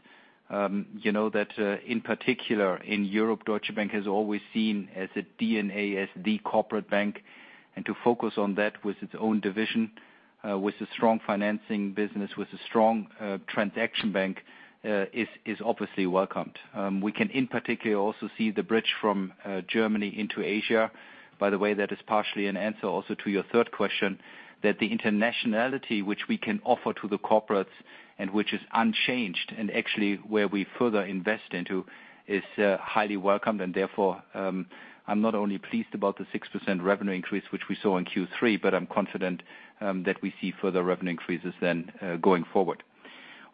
You know that in particular in Europe, Deutsche Bank has always seen as a DNA, as the corporate bank, and to focus on that with its own division, with a strong financing business, with a strong transaction bank, is obviously welcomed. We can in particular also see the bridge from Germany into Asia. That is partially an answer also to your third question, that the internationality which we can offer to the corporates and which is unchanged and actually where we further invest into, is highly welcomed. Therefore, I am not only pleased about the 6% revenue increase which we saw in Q3, but I am confident that we see further revenue increases then going forward.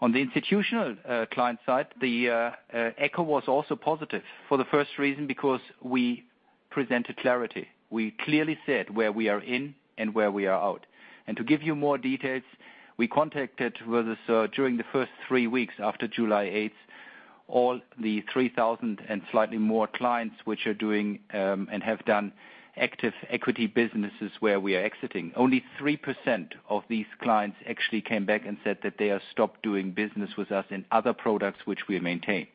On the institutional client side, the echo was also positive for the first reason because we presented clarity. We clearly said where we are in and where we are out. To give you more details, we contacted versus during the first three weeks after July 8th, all the 3,000 and slightly more clients which are doing and have done active equity businesses where we are exiting. Only 3% of these clients actually came back and said that they are stopped doing business with us in other products which we maintain.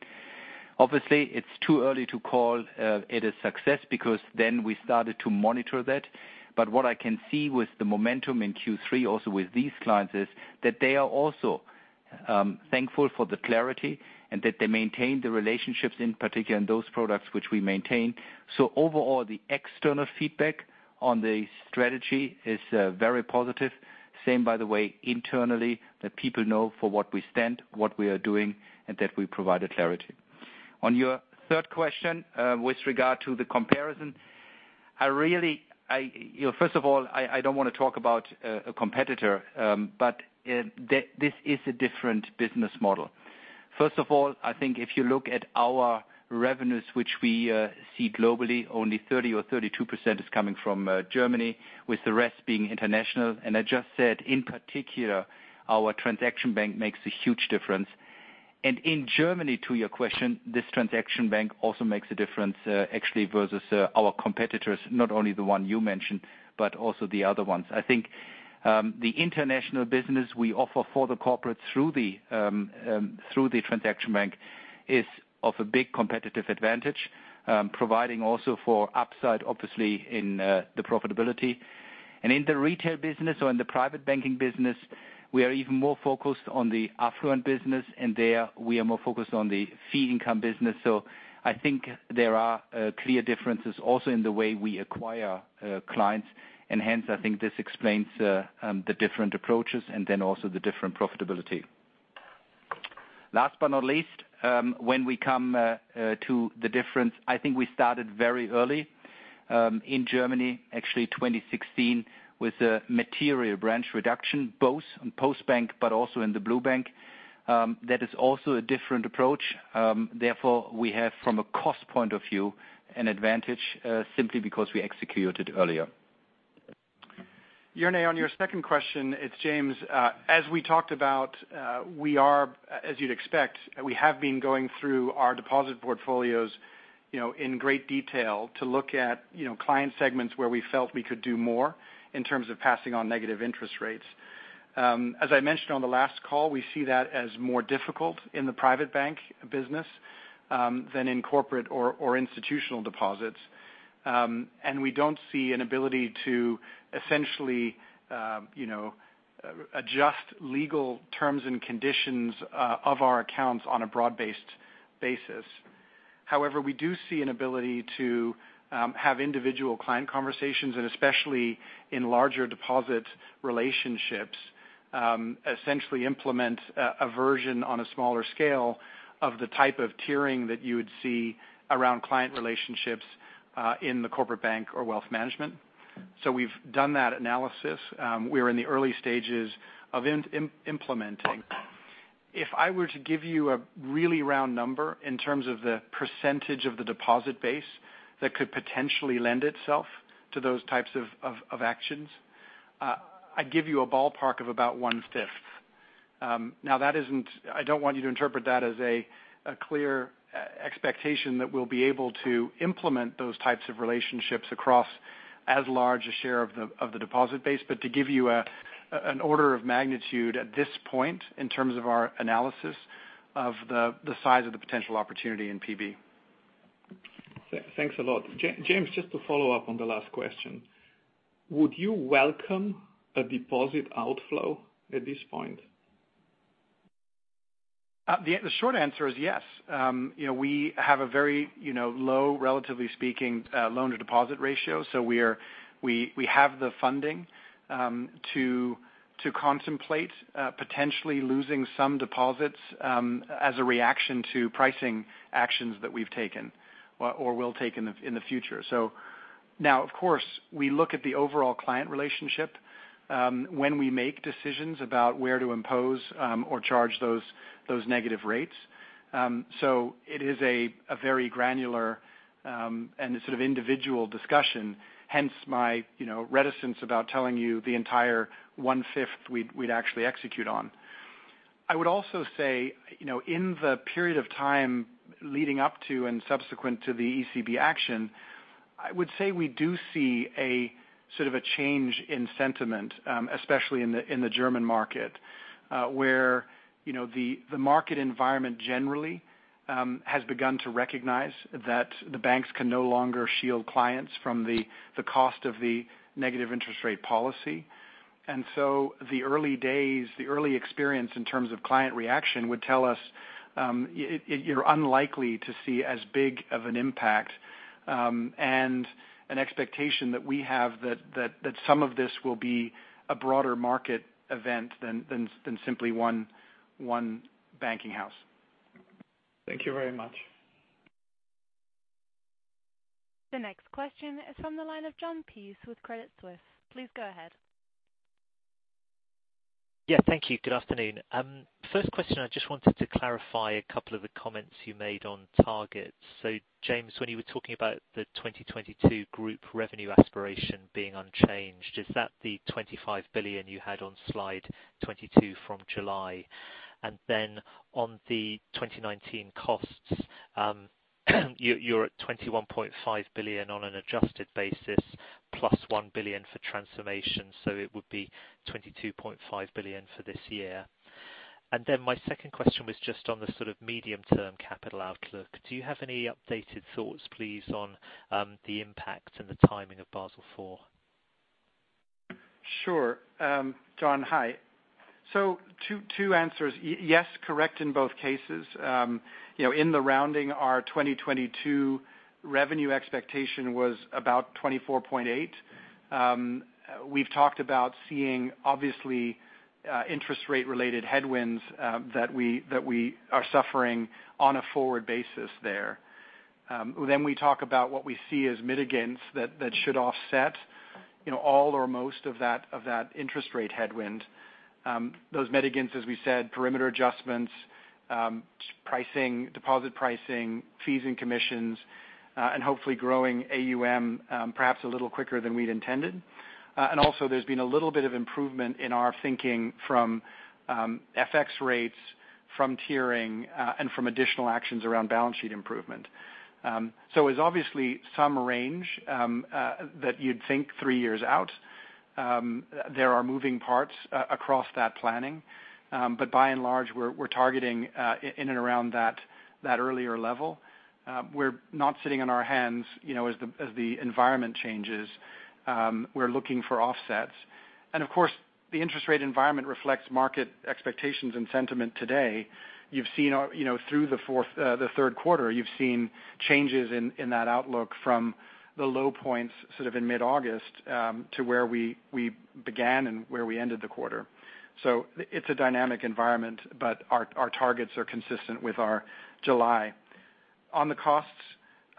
Obviously, it is too early to call it a success because then we started to monitor that. What I can see with the momentum in Q3 also with these clients is that they are also thankful for the clarity and that they maintain the relationships in particular in those products which we maintain. Overall, the external feedback on the strategy is very positive. Same by the way, internally, that people know for what we stand, what we are doing, and that we provided clarity. On your third question, with regard to the comparison, first of all, I don't want to talk about a competitor, but this is a different business model. First of all, I think if you look at our revenues, which we see globally, only 30% or 32% is coming from Germany, with the rest being international. I just said, in particular, our transaction bank makes a huge difference. In Germany, to your question, this transaction bank also makes a difference actually versus our competitors, not only the one you mentioned, but also the other ones. I think the international business we offer for the corporate through the transaction bank is of a big competitive advantage, providing also for upside, obviously in the profitability. In the retail business or in the private banking business, we are even more focused on the affluent business, and there we are more focused on the fee income business. I think there are clear differences also in the way we acquire clients, and hence I think this explains the different approaches and then also the different profitability. Last but not least, when we come to the difference, I think we started very early in Germany, actually 2016, with a material branch reduction both on Postbank but also in the Deutsche Bank. That is also a different approach. Therefore, we have from a cost point of view, an advantage simply because we executed earlier. Jernej, on your second question, it's James. As we talked about, as you'd expect, we have been going through our deposit portfolios in great detail to look at client segments where we felt we could do more in terms of passing on negative interest rates. As I mentioned on the last call, we see that as more difficult in the Private Bank business than in Corporate or institutional deposits. We don't see an ability to essentially adjust legal terms and conditions of our accounts on a broad-based basis. However, we do see an ability to have individual client conversations, and especially in larger deposit relationships, essentially implement a version on a smaller scale of the type of tiering that you would see around client relationships in the Corporate Bank or Wealth Management. We've done that analysis. We are in the early stages of implementing. If I were to give you a really round number in terms of the percentage of the deposit base that could potentially lend itself to those types of actions, I'd give you a ballpark of about one fifth. Now, I don't want you to interpret that as a clear expectation that we'll be able to implement those types of relationships across as large a share of the deposit base. To give you an order of magnitude at this point, in terms of our analysis of the size of the potential opportunity in PB. Thanks a lot. James, just to follow up on the last question, would you welcome a deposit outflow at this point? The short answer is yes. We have a very low, relatively speaking, loan-to-deposit ratio. We have the funding to contemplate potentially losing some deposits as a reaction to pricing actions that we've taken or will take in the future. Now, of course, we look at the overall client relationship when we make decisions about where to impose or charge those negative rates. It is a very granular and sort of individual discussion, hence my reticence about telling you the entire one-fifth we'd actually execute on. I would also say, in the period of time leading up to and subsequent to the ECB action, I would say we do see a sort of a change in sentiment, especially in the German market, where the market environment generally has begun to recognize that the banks can no longer shield clients from the cost of the negative interest rate policy. The early days, the early experience in terms of client reaction would tell us you're unlikely to see as big of an impact and an expectation that we have that some of this will be a broader market event than simply one banking house. Thank you very much. The next question is from the line of Jon Peace with Credit Suisse. Please go ahead. Yeah, thank you. Good afternoon. First question, I just wanted to clarify a couple of the comments you made on targets. James, when you were talking about the 2022 group revenue aspiration being unchanged, is that the 25 billion you had on slide 22 from July? On the 2019 costs, you're at 21.5 billion on an adjusted basis, plus 1 billion for transformation, so it would be 22.5 billion for this year. My second question was just on the sort of medium-term capital outlook. Do you have any updated thoughts, please, on the impact and the timing of Basel IV? Sure. Jon, hi. Two answers. Yes, correct in both cases. In the rounding, our 2022 revenue expectation was about 24.8. We've talked about seeing, obviously, interest rate-related headwinds that we are suffering on a forward basis there. We talk about what we see as mitigants that should offset all or most of that interest rate headwind. Those mitigants, as we said, perimeter adjustments, pricing, deposit pricing, fees and commissions, and hopefully growing AUM perhaps a little quicker than we'd intended. Also, there's been a little bit of improvement in our thinking from FX rates, from tiering, and from additional actions around balance sheet improvement. It's obviously some range that you'd think three years out. There are moving parts across that planning. By and large, we're targeting in and around that earlier level. We're not sitting on our hands as the environment changes. Of course, the interest rate environment reflects market expectations and sentiment today. Through the third quarter, you've seen changes in that outlook from the low points sort of in mid-August, to where we began and where we ended the quarter. It's a dynamic environment, but our targets are consistent with our July. On the costs,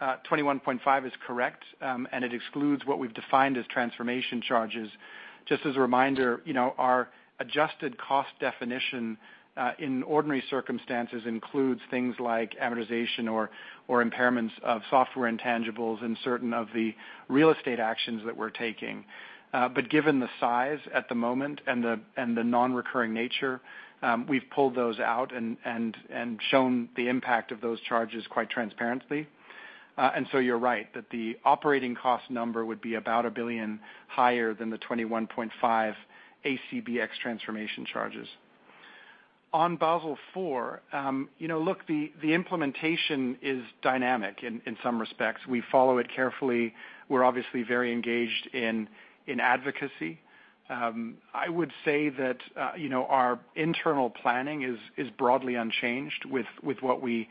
21.5 is correct, and it excludes what we've defined as transformation charges. Just as a reminder, our adjusted cost definition, in ordinary circumstances, includes things like amortization or impairments of software intangibles and certain of the real estate actions that we're taking. Given the size at the moment and the non-recurring nature, we've pulled those out and shown the impact of those charges quite transparently. You're right, that the operating cost number would be about 1 billion higher than the 21.5 ACBX transformation charges. On Basel IV, look, the implementation is dynamic in some respects. We follow it carefully. We're obviously very engaged in advocacy. I would say that our internal planning is broadly unchanged with what we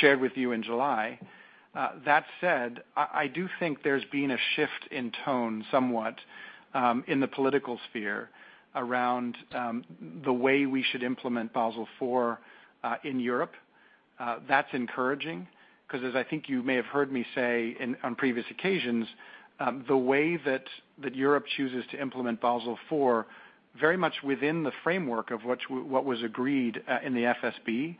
shared with you in July. That said, I do think there's been a shift in tone somewhat in the political sphere around the way we should implement Basel IV in Europe. That's encouraging because as I think you may have heard me say on previous occasions, the way that Europe chooses to implement Basel IV very much within the framework of what was agreed in the FSB.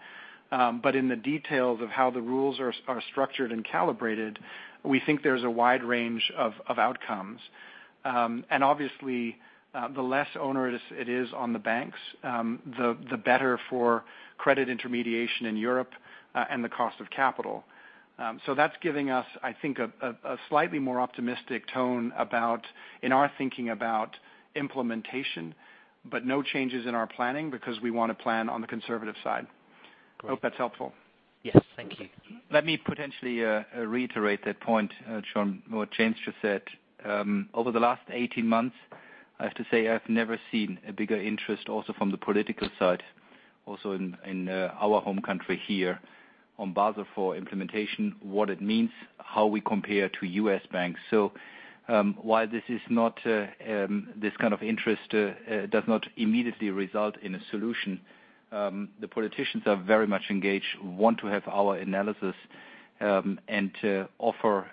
In the details of how the rules are structured and calibrated, we think there's a wide range of outcomes. Obviously, the less onerous it is on the banks, the better for credit intermediation in Europe, and the cost of capital. That's giving us, I think, a slightly more optimistic tone in our thinking about implementation, but no changes in our planning because we want to plan on the conservative side. Great. Hope that's helpful. Yes. Thank you. Let me potentially reiterate that point, Jon, what James just said. Over the last 18 months, I have to say, I've never seen a bigger interest also from the political side, also in our home country here on Basel IV implementation, what it means, how we compare to U.S. banks. While this kind of interest does not immediately result in a solution, the politicians are very much engaged, want to have our analysis, and to offer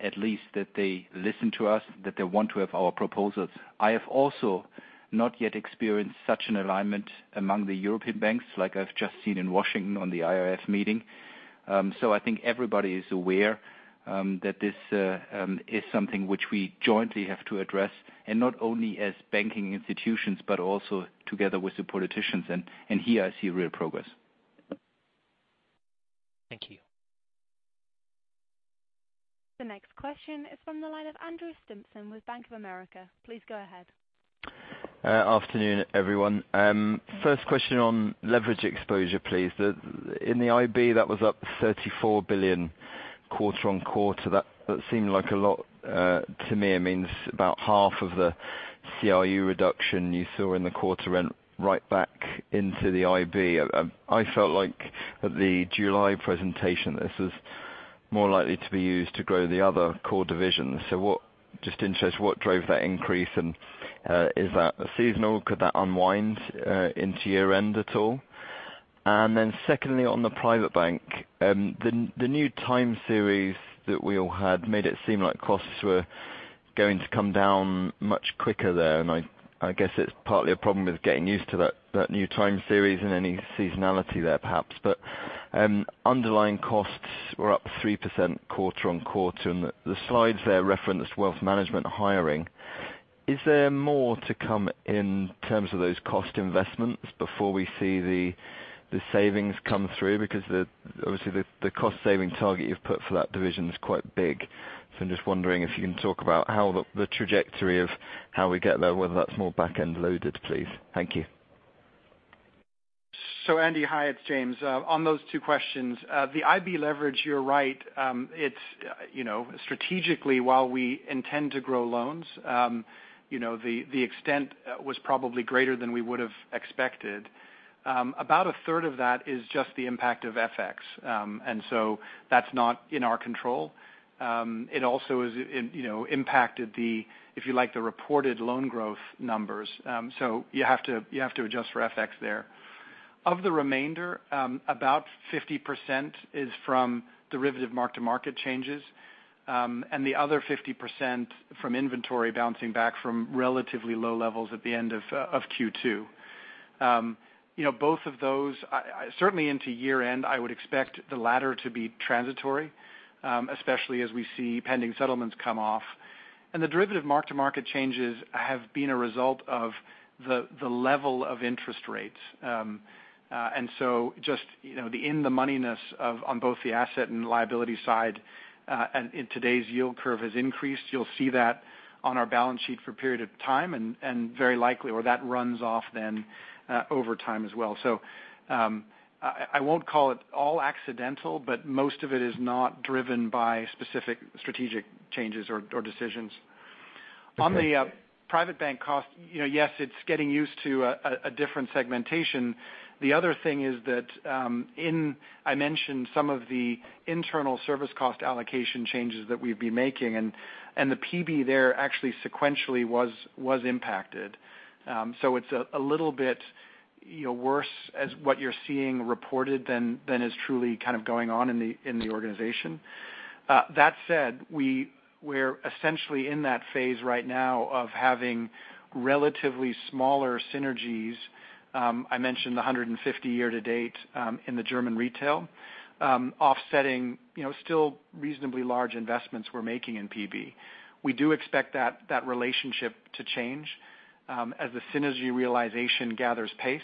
at least that they listen to us, that they want to have our proposals. I have also not yet experienced such an alignment among the European banks like I've just seen in Washington on the IIF meeting. I think everybody is aware that this is something which we jointly have to address, and not only as banking institutions, but also together with the politicians. Here I see real progress. Thank you. The next question is from the line of Andrew Stimpson with Bank of America. Please go ahead. Afternoon, everyone. First question on leverage exposure, please. In the IB, that was up 34 billion quarter on quarter. That seemed like a lot to me. It means about half of the CRU reduction you saw in the quarter went right back into the IB. I felt like at the July presentation, this was more likely to be used to grow the other core divisions. Just interested, what drove that increase, and is that seasonal? Could that unwind into year-end at all? Secondly, on the Private Bank, the new time series that we all had made it seem like costs were going to come down much quicker there. I guess it's partly a problem with getting used to that new time series and any seasonality there, perhaps. Underlying costs were up 3% quarter on quarter, and the slides there referenced wealth management hiring. Is there more to come in terms of those cost investments before we see the savings come through? Obviously, the cost-saving target you've put for that division is quite big. I'm just wondering if you can talk about the trajectory of how we get there, whether that's more back-end loaded, please. Thank you. Andy, hi, it's James. On those two questions, the IB leverage, you're right. Strategically, while we intend to grow loans, the extent was probably greater than we would have expected. About a third of that is just the impact of FX, that's not in our control. It also impacted the, if you like, the reported loan growth numbers. You have to adjust for FX there. Of the remainder, about 50% is from derivative mark-to-market changes, the other 50% from inventory bouncing back from relatively low levels at the end of Q2. Both of those, certainly into year-end, I would expect the latter to be transitory, especially as we see pending settlements come off. The derivative mark-to-market changes have been a result of the level of interest rates. Just the in-the-money-ness on both the asset and liability side, and today's yield curve has increased. You'll see that on our balance sheet for a period of time, and very likely where that runs off then over time as well. I won't call it all accidental, but most of it is not driven by specific strategic changes or decisions. On the Private Bank cost, yes, it's getting used to a different segmentation. The other thing is that I mentioned some of the internal service cost allocation changes that we've been making, and the PB there actually sequentially was impacted. It's a little bit worse as what you're seeing reported than is truly kind of going on in the organization. That said, we're essentially in that phase right now of having relatively smaller synergies. I mentioned the 150 year to date in the German retail offsetting still reasonably large investments we're making in PB. We do expect that relationship to change as the synergy realization gathers pace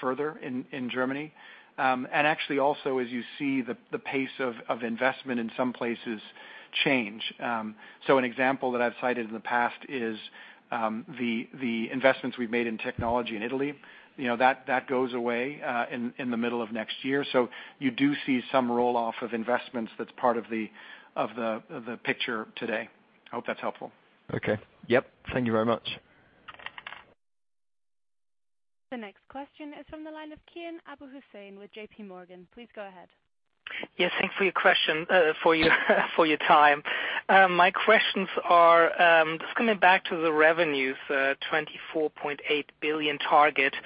further in Germany. Actually, also as you see the pace of investment in some places change. An example that I've cited in the past is the investments we've made in technology in Italy. That goes away in the middle of next year. You do see some roll-off of investments that's part of the picture today. I hope that's helpful. Okay. Yep. Thank you very much. The next question is from the line of Kian Abouhossein with J.P. Morgan. Please go ahead. Yes, thanks for your time. My questions are just coming back to the revenues, 24.8 billion target.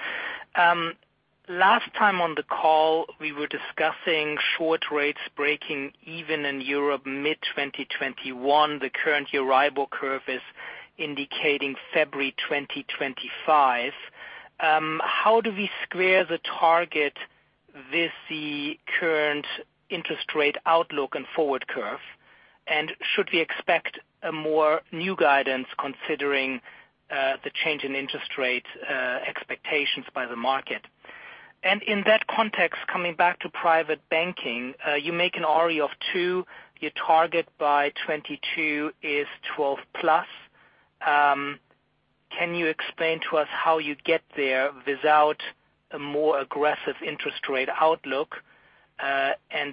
Last time on the call, we were discussing short rates breaking even in Europe mid-2021. The current Euribor curve is indicating February 2025. How do we square the target with the current interest rate outlook and forward curve, and should we expect a more new guidance considering the change in interest rate expectations by the market? In that context, coming back to private banking, you make an ROTE of 2, your target by 2022 is 12+. Can you explain to us how you get there without a more aggressive interest rate outlook?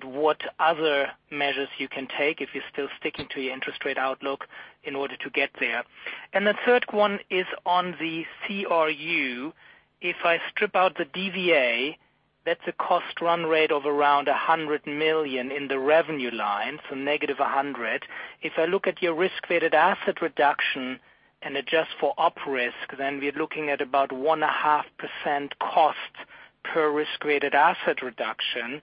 What other measures you can take if you're still sticking to your interest rate outlook in order to get there? The third one is on the CRU. If I strip out the DVA, that's a cost run rate of around 100 million in the revenue line, so negative 100. If I look at your risk-weighted asset reduction and adjust for op risk, then we're looking at about 1.5% cost per risk-weighted asset reduction.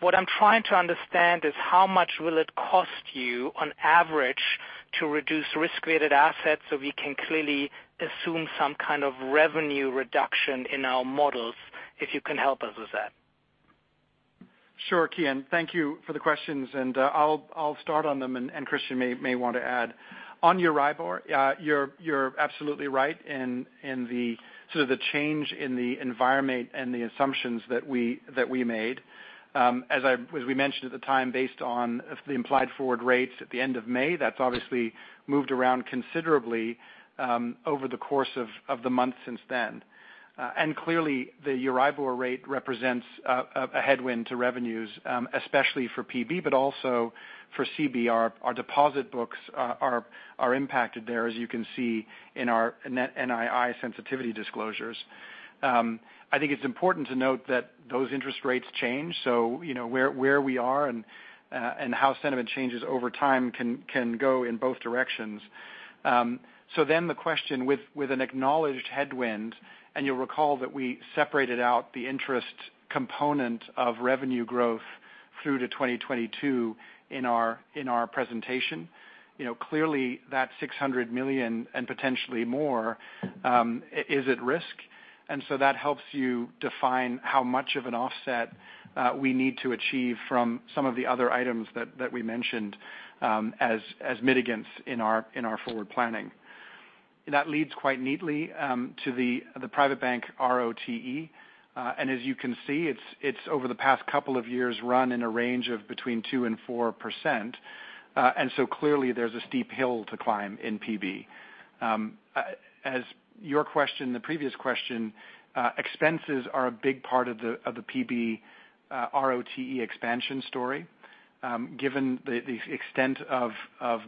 What I'm trying to understand is how much will it cost you on average to reduce risk-weighted assets so we can clearly assume some kind of revenue reduction in our models, if you can help us with that. Sure, Kian. Thank you for the questions, and I'll start on them and Christian may want to add. On Euribor, you're absolutely right in the change in the environment and the assumptions that we made. As we mentioned at the time, based on the implied forward rates at the end of May, that's obviously moved around considerably over the course of the month since then. Clearly the Euribor rate represents a headwind to revenues, especially for PB, but also for CB. Our deposit books are impacted there, as you can see in our net NII sensitivity disclosures. I think it's important to note that those interest rates change, so where we are and how sentiment changes over time can go in both directions. The question with an acknowledged headwind, and you'll recall that we separated out the interest component of revenue growth through to 2022 in our presentation. Clearly, that 600 million and potentially more is at risk. That helps you define how much of an offset we need to achieve from some of the other items that we mentioned as mitigants in our forward planning. That leads quite neatly to the Private Bank ROTE. As you can see, it's over the past couple of years run in a range of between 2%-4%. Clearly there's a steep hill to climb in PB. As your question, the previous question, expenses are a big part of the PB ROTE expansion story, given the extent of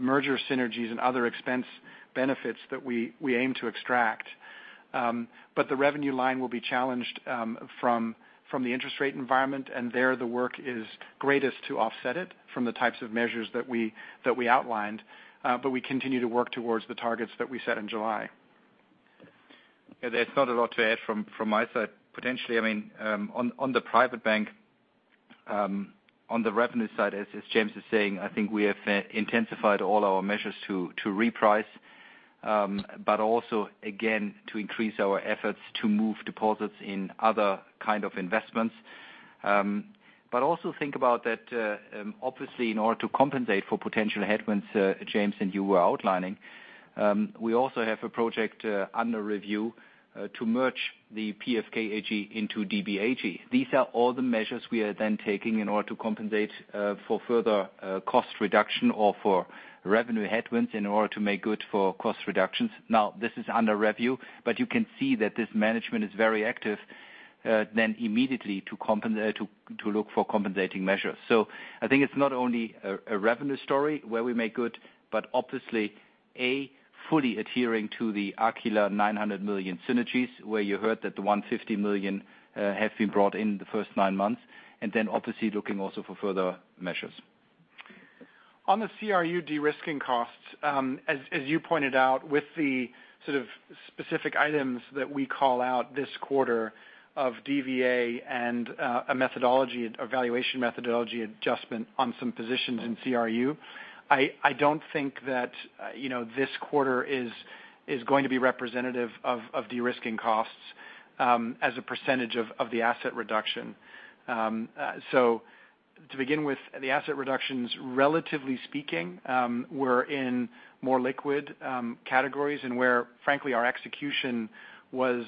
merger synergies and other expense benefits that we aim to extract. The revenue line will be challenged from the interest rate environment, and there the work is greatest to offset it from the types of measures that we outlined. We continue to work towards the targets that we set in July. Yeah, there's not a lot to add from my side. Potentially, on the Private Bank, on the revenue side, as James is saying, I think we have intensified all our measures to reprice. Also, again, to increase our efforts to move deposits in other kind of investments. Also think about that, obviously in order to compensate for potential headwinds, James and you were outlining, we also have a project under review to merge the Postbank AG into Deutsche Bank AG. These are all the measures we are taking in order to compensate for further cost reduction or for revenue headwinds in order to make good for cost reductions. Now, this is under review, but you can see that this management is very active then immediately to look for compensating measures. I think it's not only a revenue story where we make good, but obviously, A, fully adhering to the Aquila 900 million synergies, where you heard that the 150 million have been brought in the first nine months, and then obviously looking also for further measures. On the CRU de-risking costs, as you pointed out with the sort of specific items that we call out this quarter of DVA and a valuation methodology adjustment on some positions in CRU, I don't think that this quarter is going to be representative of de-risking costs as a percentage of the asset reduction. To begin with, the asset reductions, relatively speaking, were in more liquid categories and where, frankly, our execution was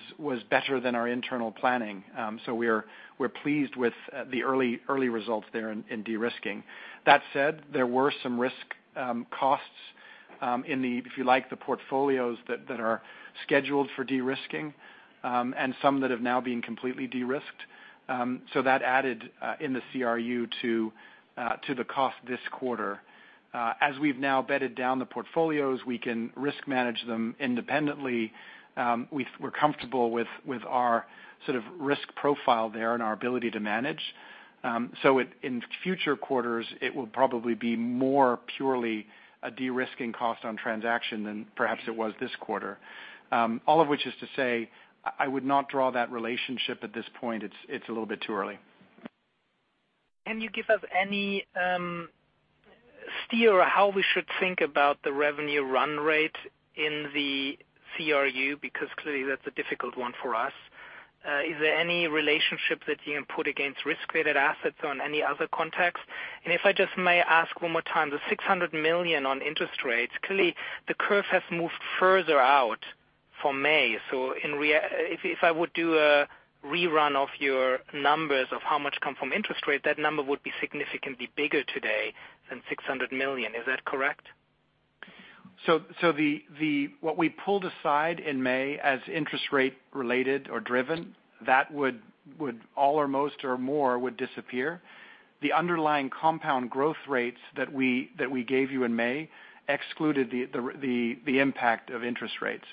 better than our internal planning. We're pleased with the early results there in de-risking. That said, there were some risk costs in the, if you like, the portfolios that are scheduled for de-risking, and some that have now been completely de-risked. That added in the CRU to the cost this quarter. As we've now bedded down the portfolios, we can risk manage them independently. We're comfortable with our sort of risk profile there and our ability to manage. In future quarters, it will probably be more purely a de-risking cost on transaction than perhaps it was this quarter. All of which is to say, I would not draw that relationship at this point. It's a little bit too early. Can you give us any steer on how we should think about the revenue run rate in the CRU? Because clearly that's a difficult one for us. Is there any relationship that you can put against risk-related assets on any other context? If I just may ask one more time, the 600 million on interest rates, clearly the curve has moved further out for May. If I would do a rerun of your numbers of how much come from interest rate, that number would be significantly bigger today than 600 million. Is that correct? What we pulled aside in May as interest rate related or driven, that would all or most or more would disappear. The underlying compound growth rates that we gave you in May excluded the impact of interest rates.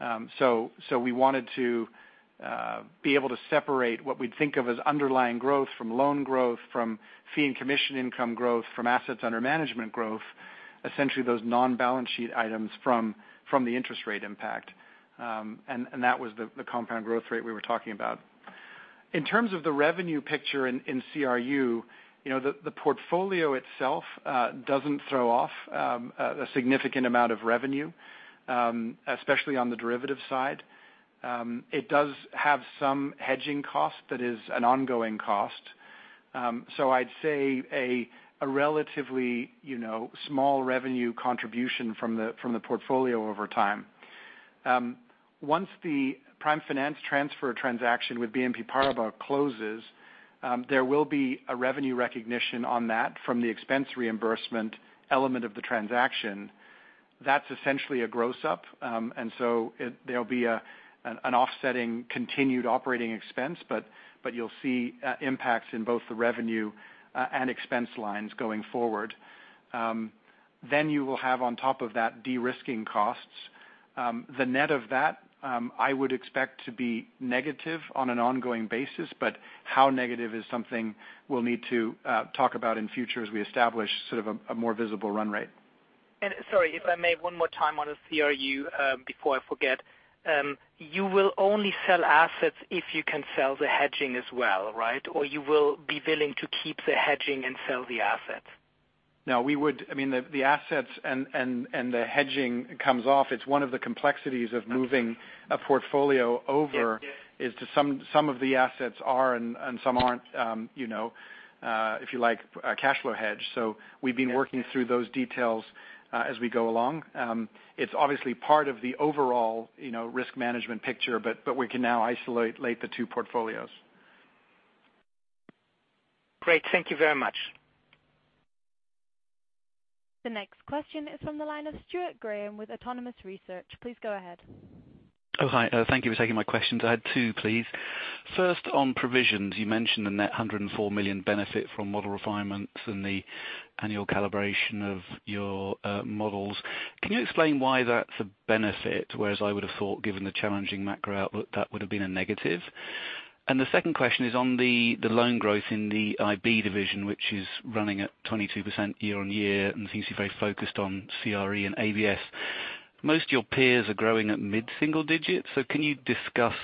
We wanted to be able to separate what we'd think of as underlying growth from loan growth, from fee and commission income growth, from assets under management growth. Essentially those non-balance sheet items from the interest rate impact. That was the compound growth rate we were talking about. In terms of the revenue picture in CRU, the portfolio itself doesn't throw off a significant amount of revenue, especially on the derivative side. It does have some hedging cost that is an ongoing cost. I'd say a relatively small revenue contribution from the portfolio over time. Once the Prime Finance transfer transaction with BNP Paribas closes, there will be a revenue recognition on that from the expense reimbursement element of the transaction. That's essentially a gross up, and so there'll be an offsetting continued operating expense, but you'll see impacts in both the revenue and expense lines going forward. You will have on top of that de-risking costs. The net of that, I would expect to be negative on an ongoing basis, but how negative is something we'll need to talk about in future as we establish sort of a more visible run rate. Sorry if I may, one more time on the CRU before I forget. You will only sell assets if you can sell the hedging as well, right? Or you will be willing to keep the hedging and sell the asset? No, we would. The assets and the hedging comes off. It's one of the complexities of moving a portfolio over is some of the assets are and some aren't if you like, a cash flow hedge. We've been working through those details as we go along. It's obviously part of the overall risk management picture, but we can now isolate the two portfolios. Great. Thank you very much. The next question is from the line of Stuart Graham with Autonomous Research. Please go ahead. Oh, hi. Thank you for taking my questions. I had two, please. First on provisions, you mentioned the net 104 million benefit from model refinements and the annual calibration of your models. Can you explain why that's a benefit, whereas I would have thought given the challenging macro outlook, that would have been a negative? The second question is on the loan growth in the IB division, which is running at 22% year-over-year, and seems you're very focused on CRE and ABS. Most of your peers are growing at mid-single digits. Can you discuss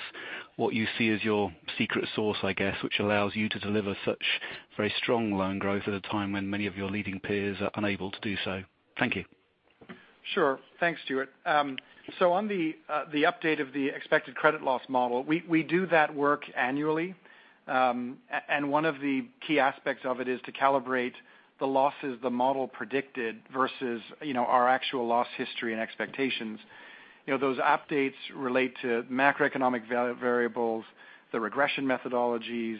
what you see as your secret sauce, I guess, which allows you to deliver such very strong loan growth at a time when many of your leading peers are unable to do so? Thank you. Sure. Thanks, Stuart. On the update of the Expected Credit Loss model, we do that work annually. One of the key aspects of it is to calibrate the losses the model predicted versus our actual loss history and expectations. Those updates relate to macroeconomic variables, the regression methodologies,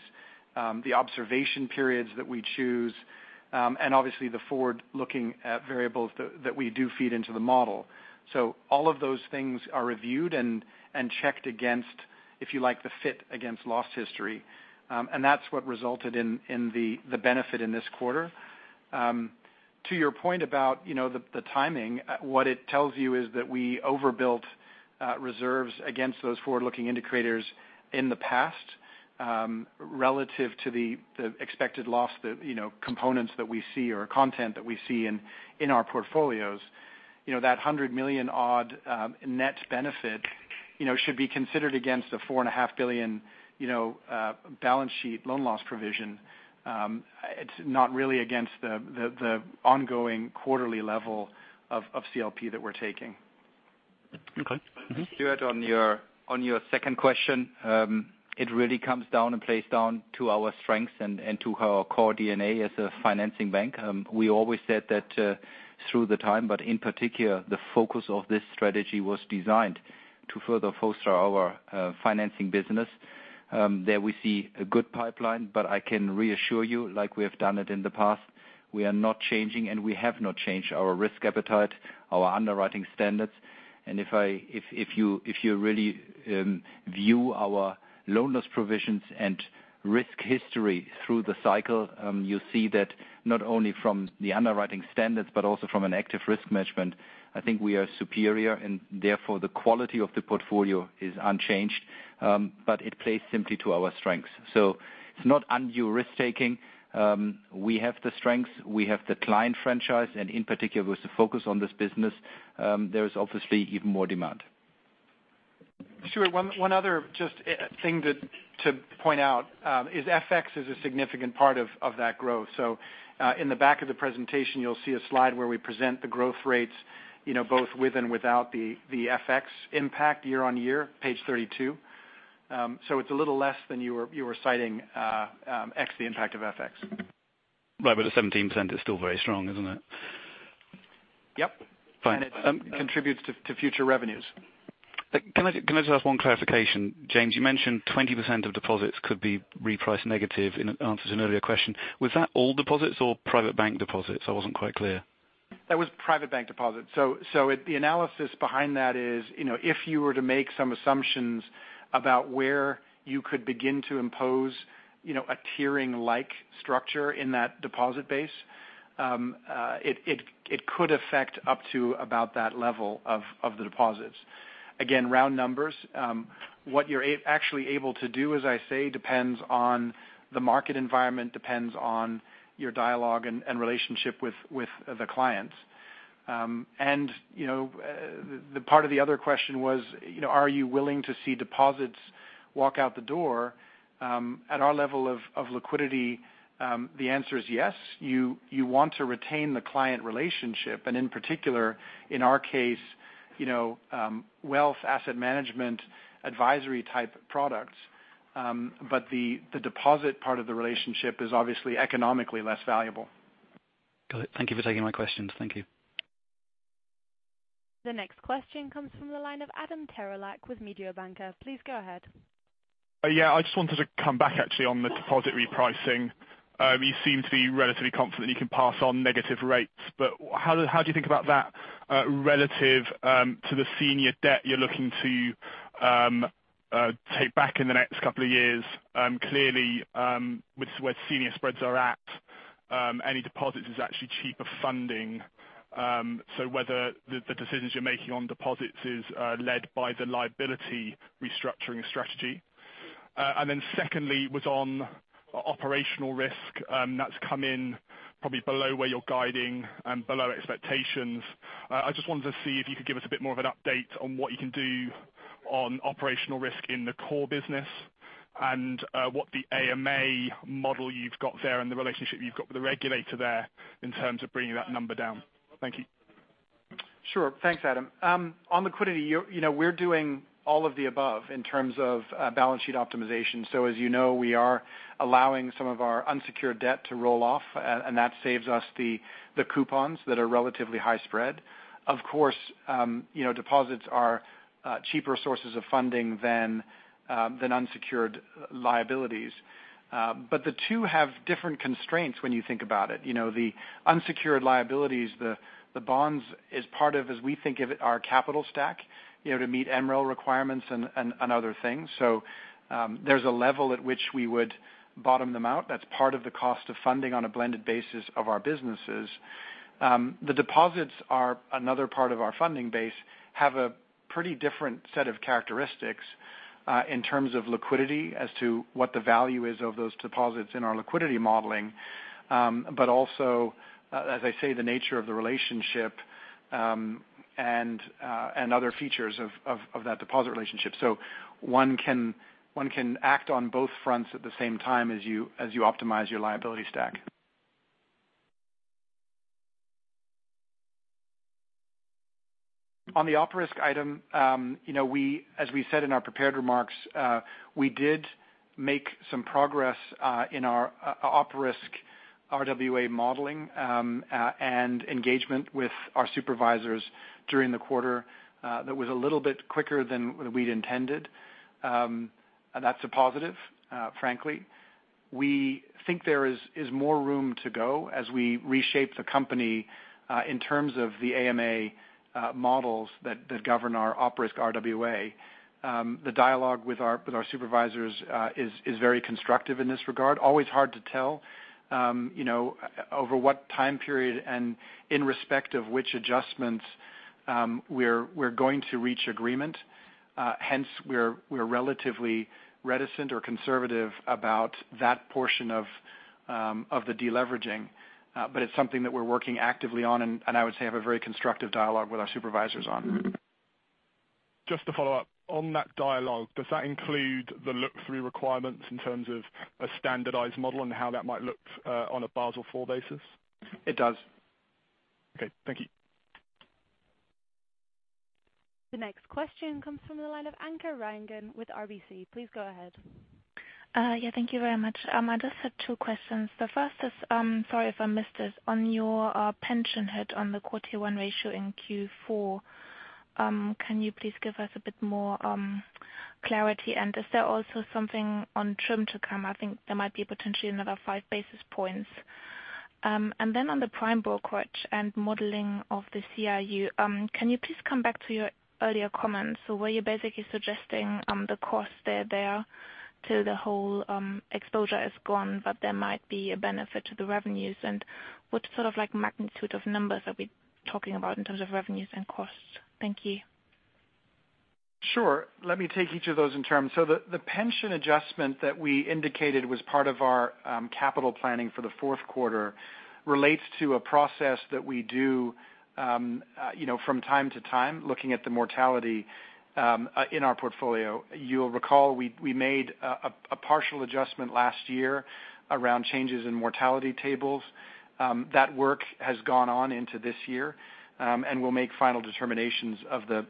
the observation periods that we choose, and obviously the forward-looking variables that we do feed into the model. All of those things are reviewed and checked against, if you like, the fit against loss history. That's what resulted in the benefit in this quarter. To your point about the timing, what it tells you is that we overbuilt reserves against those forward-looking indicators in the past relative to the expected loss components that we see or content that we see in our portfolios. That 100 million-odd net benefit should be considered against a 4.5 billion balance sheet loan loss provision. It's not really against the ongoing quarterly level of CLP that we're taking. Okay. All right. Stuart, on your second question it really comes down and plays down to our strengths and to our core DNA as a financing bank. We always said that through the time, in particular, the focus of this strategy was designed to further foster our financing business. There we see a good pipeline, I can reassure you, like we have done it in the past, we are not changing, we have not changed our risk appetite, our underwriting standards. If you really view our loan loss provisions and risk history through the cycle, you see that not only from the underwriting standards, but also from an active risk management, I think we are superior and therefore the quality of the portfolio is unchanged. It plays simply to our strengths. It's not undue risk-taking. We have the strengths, we have the client franchise, and in particular with the focus on this business there is obviously even more demand. Stuart, one other thing to point out is FX is a significant part of that growth. In the back of the presentation, you'll see a slide where we present the growth rates, both with and without the FX impact year-on-year, page 32. It's a little less than you were citing ex the impact of FX. Right. The 17% is still very strong, isn't it? Yep. Fine. It contributes to future revenues. Can I just ask one clarification? James, you mentioned 20% of deposits could be repriced negative in answer to an earlier question. Was that all deposits or Private Bank deposits? I wasn't quite clear. That was private bank deposits. The analysis behind that is, if you were to make some assumptions about where you could begin to impose a tiering-like structure in that deposit base, it could affect up to about that level of the deposits. Again, round numbers. What you're actually able to do, as I say, depends on the market environment, depends on your dialogue and relationship with the clients. The part of the other question was, are you willing to see deposits walk out the door? At our level of liquidity, the answer is yes. You want to retain the client relationship, and in particular, in our case, wealth asset management, advisory-type products. The deposit part of the relationship is obviously economically less valuable. Got it. Thank you for taking my questions. Thank you. The next question comes from the line of Adam Terelak with Mediobanca. Please go ahead. Yeah. I just wanted to come back actually on the deposit repricing. You seem to be relatively confident you can pass on negative rates, but how do you think about that relative to the senior debt you're looking to take back in the next couple of years? Clearly, with where senior spreads are at, any deposits is actually cheaper funding. Whether the decisions you're making on deposits is led by the liability restructuring strategy. Secondly, was on operational risk. That's come in probably below where you're guiding and below expectations. I just wanted to see if you could give us a bit more of an update on what you can do on operational risk in the core business and what the AMA model you've got there and the relationship you've got with the regulator there in terms of bringing that number down. Thank you. Sure. Thanks, Adam. On liquidity, we're doing all of the above in terms of balance sheet optimization. As you know, we are allowing some of our unsecured debt to roll off, and that saves us the coupons that are relatively high spread. Of course, deposits are cheaper sources of funding than unsecured liabilities. The two have different constraints when you think about it. The unsecured liabilities, the bonds is part of, as we think of it, our capital stack, to meet MREL requirements and other things. There's a level at which we would bottom them out. That's part of the cost of funding on a blended basis of our businesses. The deposits are another part of our funding base, have a pretty different set of characteristics, in terms of liquidity as to what the value is of those deposits in our liquidity modeling, but also, as I say, the nature of the relationship, and other features of that deposit relationship. One can act on both fronts at the same time as you optimize your liability stack. On the op risk item, as we said in our prepared remarks, we did make some progress in our op risk RWA modeling, and engagement with our supervisors during the quarter. That was a little bit quicker than we'd intended. That's a positive, frankly. We think there is more room to go as we reshape the company, in terms of the AMA models that govern our op risk RWA. The dialogue with our supervisors is very constructive in this regard. Always hard to tell over what time period and in respect of which adjustments we're going to reach agreement. Hence, we're relatively reticent or conservative about that portion of the de-leveraging. It's something that we're working actively on, and I would say have a very constructive dialogue with our supervisors on. Just to follow up. On that dialogue, does that include the look-through requirements in terms of a standardized model and how that might look on a Basel IV basis? It does. Okay. Thank you. The next question comes from the line of Anke Reingen with RBC. Please go ahead. Thank you very much. I just had two questions. The first is, sorry if I missed this. On your pension hit on the quarter 1 ratio in Q4, can you please give us a bit more clarity? Is there also something on TRIM to come? I think there might be potentially another five basis points. On the prime brokerage and modeling of the CRU, can you please come back to your earlier comments? Were you basically suggesting the costs they're there till the whole exposure is gone, but there might be a benefit to the revenues? What sort of magnitude of numbers are we talking about in terms of revenues and costs? Thank you. Sure. Let me take each of those in turn. The pension adjustment that we indicated was part of our capital planning for the fourth quarter relates to a process that we do from time to time, looking at the mortality in our portfolio. You'll recall we made a partial adjustment last year around changes in mortality tables. That work has gone on into this year, and we'll make final determinations of the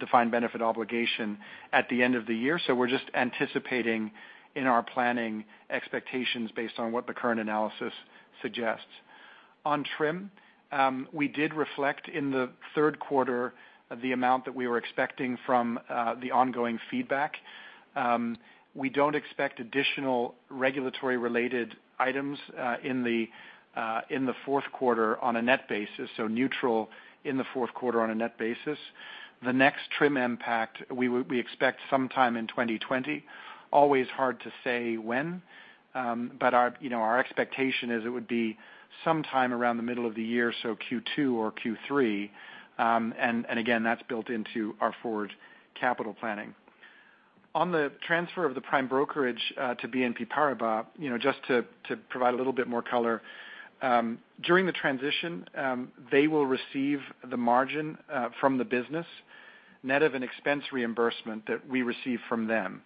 defined benefit obligation at the end of the year. We're just anticipating in our planning expectations based on what the current analysis suggests. On TRIM, we did reflect in the third quarter the amount that we were expecting from the ongoing feedback. We don't expect additional regulatory-related items in the fourth quarter on a net basis, so neutral in the fourth quarter on a net basis. The next TRIM impact we expect sometime in 2020. Always hard to say when, our expectation is it would be sometime around the middle of the year, so Q2 or Q3. Again, that's built into our forward capital planning. On the transfer of the prime brokerage to BNP Paribas, just to provide a little bit more color. During the transition, they will receive the margin from the business net of an expense reimbursement that we receive from them.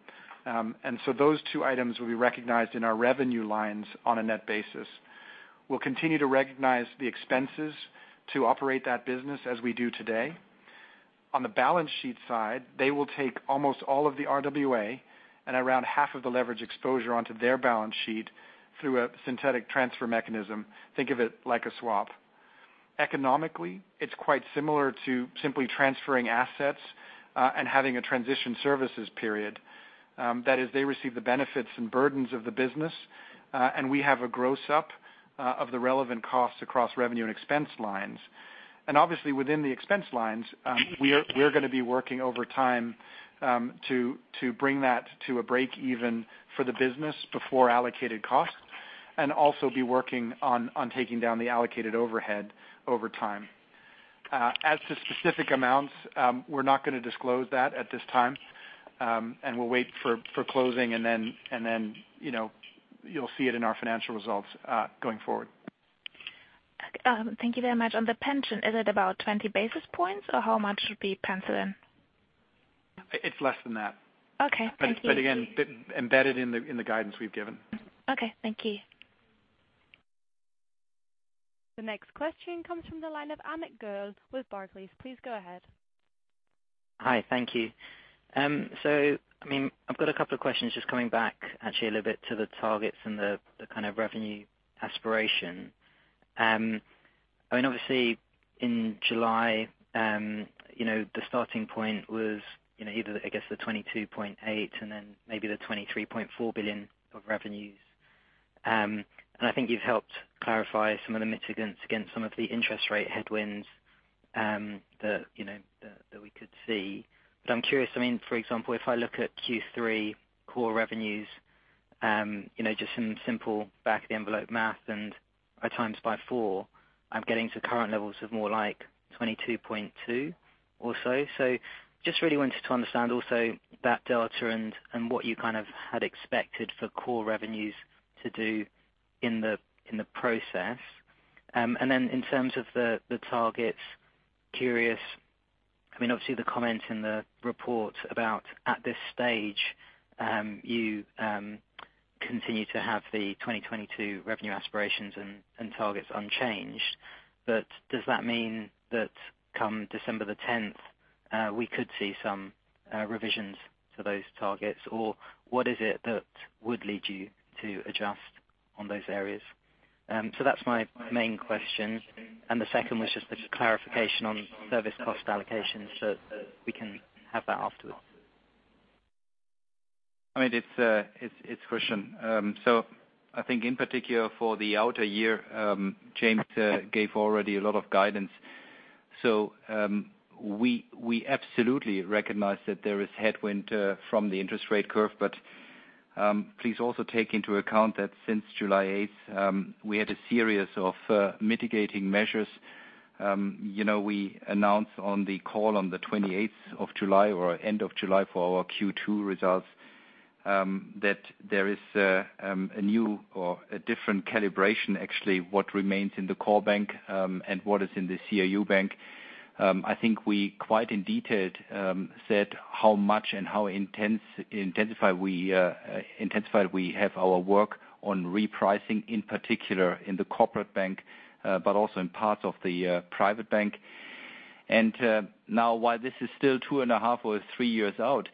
Those two items will be recognized in our revenue lines on a net basis. We'll continue to recognize the expenses to operate that business as we do today. On the balance sheet side, they will take almost all of the RWA and around half of the leverage exposure onto their balance sheet through a synthetic transfer mechanism. Think of it like a swap. Economically, it's quite similar to simply transferring assets and having a transition services period. That is, they receive the benefits and burdens of the business, and we have a gross-up of the relevant costs across revenue and expense lines. Obviously within the expense lines, we're going to be working overtime to bring that to a break even for the business before allocated costs, and also be working on taking down the allocated overhead over time. As to specific amounts, we're not going to disclose that at this time, and we'll wait for closing and then you'll see it in our financial results going forward. Thank you very much. On the pension, is it about 20 basis points or how much should be penciled in? It's less than that. Okay. Thank you. Again, embedded in the guidance we've given. Okay, thank you. The next question comes from the line of Amit Goel with Barclays. Please go ahead. Hi. Thank you. I've got a couple of questions just coming back actually a little bit to the targets and the kind of revenue aspiration. Obviously in July, the starting point was either, I guess the 22.8 and then maybe the 23.4 billion of revenues. I think you've helped clarify some of the mitigants against some of the interest rate headwinds that we could see. I'm curious, for example, if I look at Q3 core revenues, just some simple back of the envelope math and I times by four, I'm getting to current levels of more like 22.2 billion or so. Just really wanted to understand also that delta and what you kind of had expected for core revenues to do in the process. In terms of the targets, curious, obviously the comment in the report about at this stage, you continue to have the 2022 revenue aspirations and targets unchanged. Does that mean that come December 10th we could see some revisions to those targets, or what is it that would lead you to adjust on those areas? That's my main question. The second was just the clarification on service cost allocation, so we can have that afterwards. It's Christian. I think in particular for the outer year, James gave already a lot of guidance. We absolutely recognize that there is headwind from the interest rate curve, but please also take into account that since July 8th, we had a series of mitigating measures. We announced on the call on the 28th of July or end of July for our Q2 results that there is a new or a different calibration, actually, what remains in the Core Bank, and what is in the CRU Bank. I think we quite in detail said how much and how intensified we have our work on repricing, in particular in the Corporate Bank, but also in parts of the Private Bank. Now while this is still two and a half or three years out,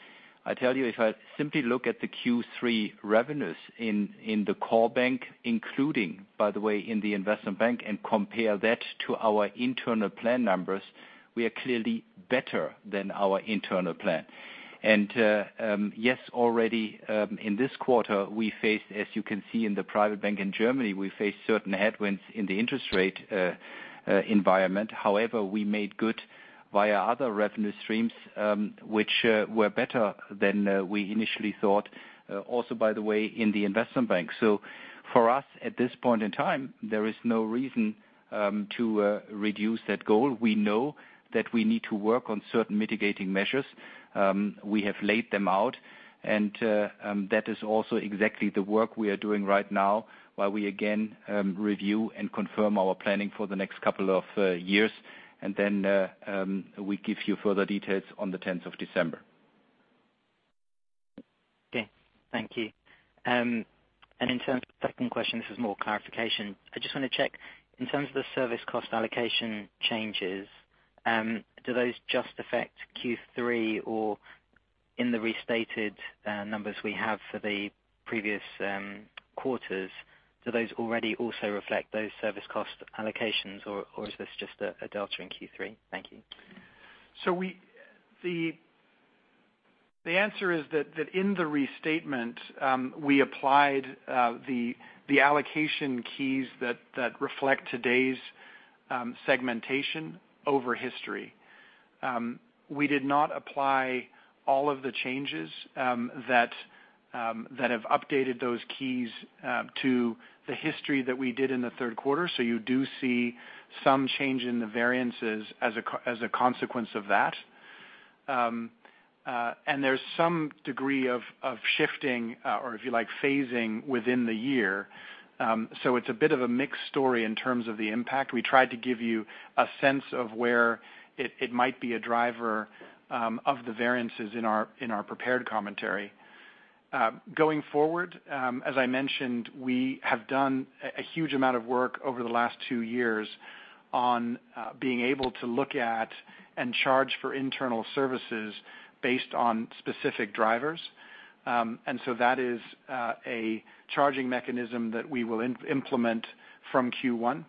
I tell you, if I simply look at the Q3 revenues in the Core Bank, including, by the way, in the Investment Bank, and compare that to our internal plan numbers, we are clearly better than our internal plan. Yes, already in this quarter, we faced, as you can see in the Private Bank in Germany, we faced certain headwinds in the interest rate environment. However, we made good via other revenue streams, which were better than we initially thought. Also, by the way, in the Investment Bank. For us, at this point in time, there is no reason to reduce that goal. We know that we need to work on certain mitigating measures. We have laid them out, and that is also exactly the work we are doing right now while we again review and confirm our planning for the next couple of years. Then we give you further details on the 10th of December. Okay. Thank you. In terms of the second question, this is more clarification. I just want to check, in terms of the service cost allocation changes, do those just affect Q3 or in the restated numbers we have for the previous quarters, do those already also reflect those service cost allocations, or is this just a delta in Q3? Thank you. The answer is that in the restatement, we applied the allocation keys that reflect today's segmentation over history. We did not apply all of the changes that have updated those keys to the history that we did in the third quarter. You do see some change in the variances as a consequence of that. There's some degree of shifting, or if you like, phasing within the year. It's a bit of a mixed story in terms of the impact. We tried to give you a sense of where it might be a driver of the variances in our prepared commentary. Going forward, as I mentioned, we have done a huge amount of work over the last two years on being able to look at and charge for internal services based on specific drivers. That is a charging mechanism that we will implement from Q1.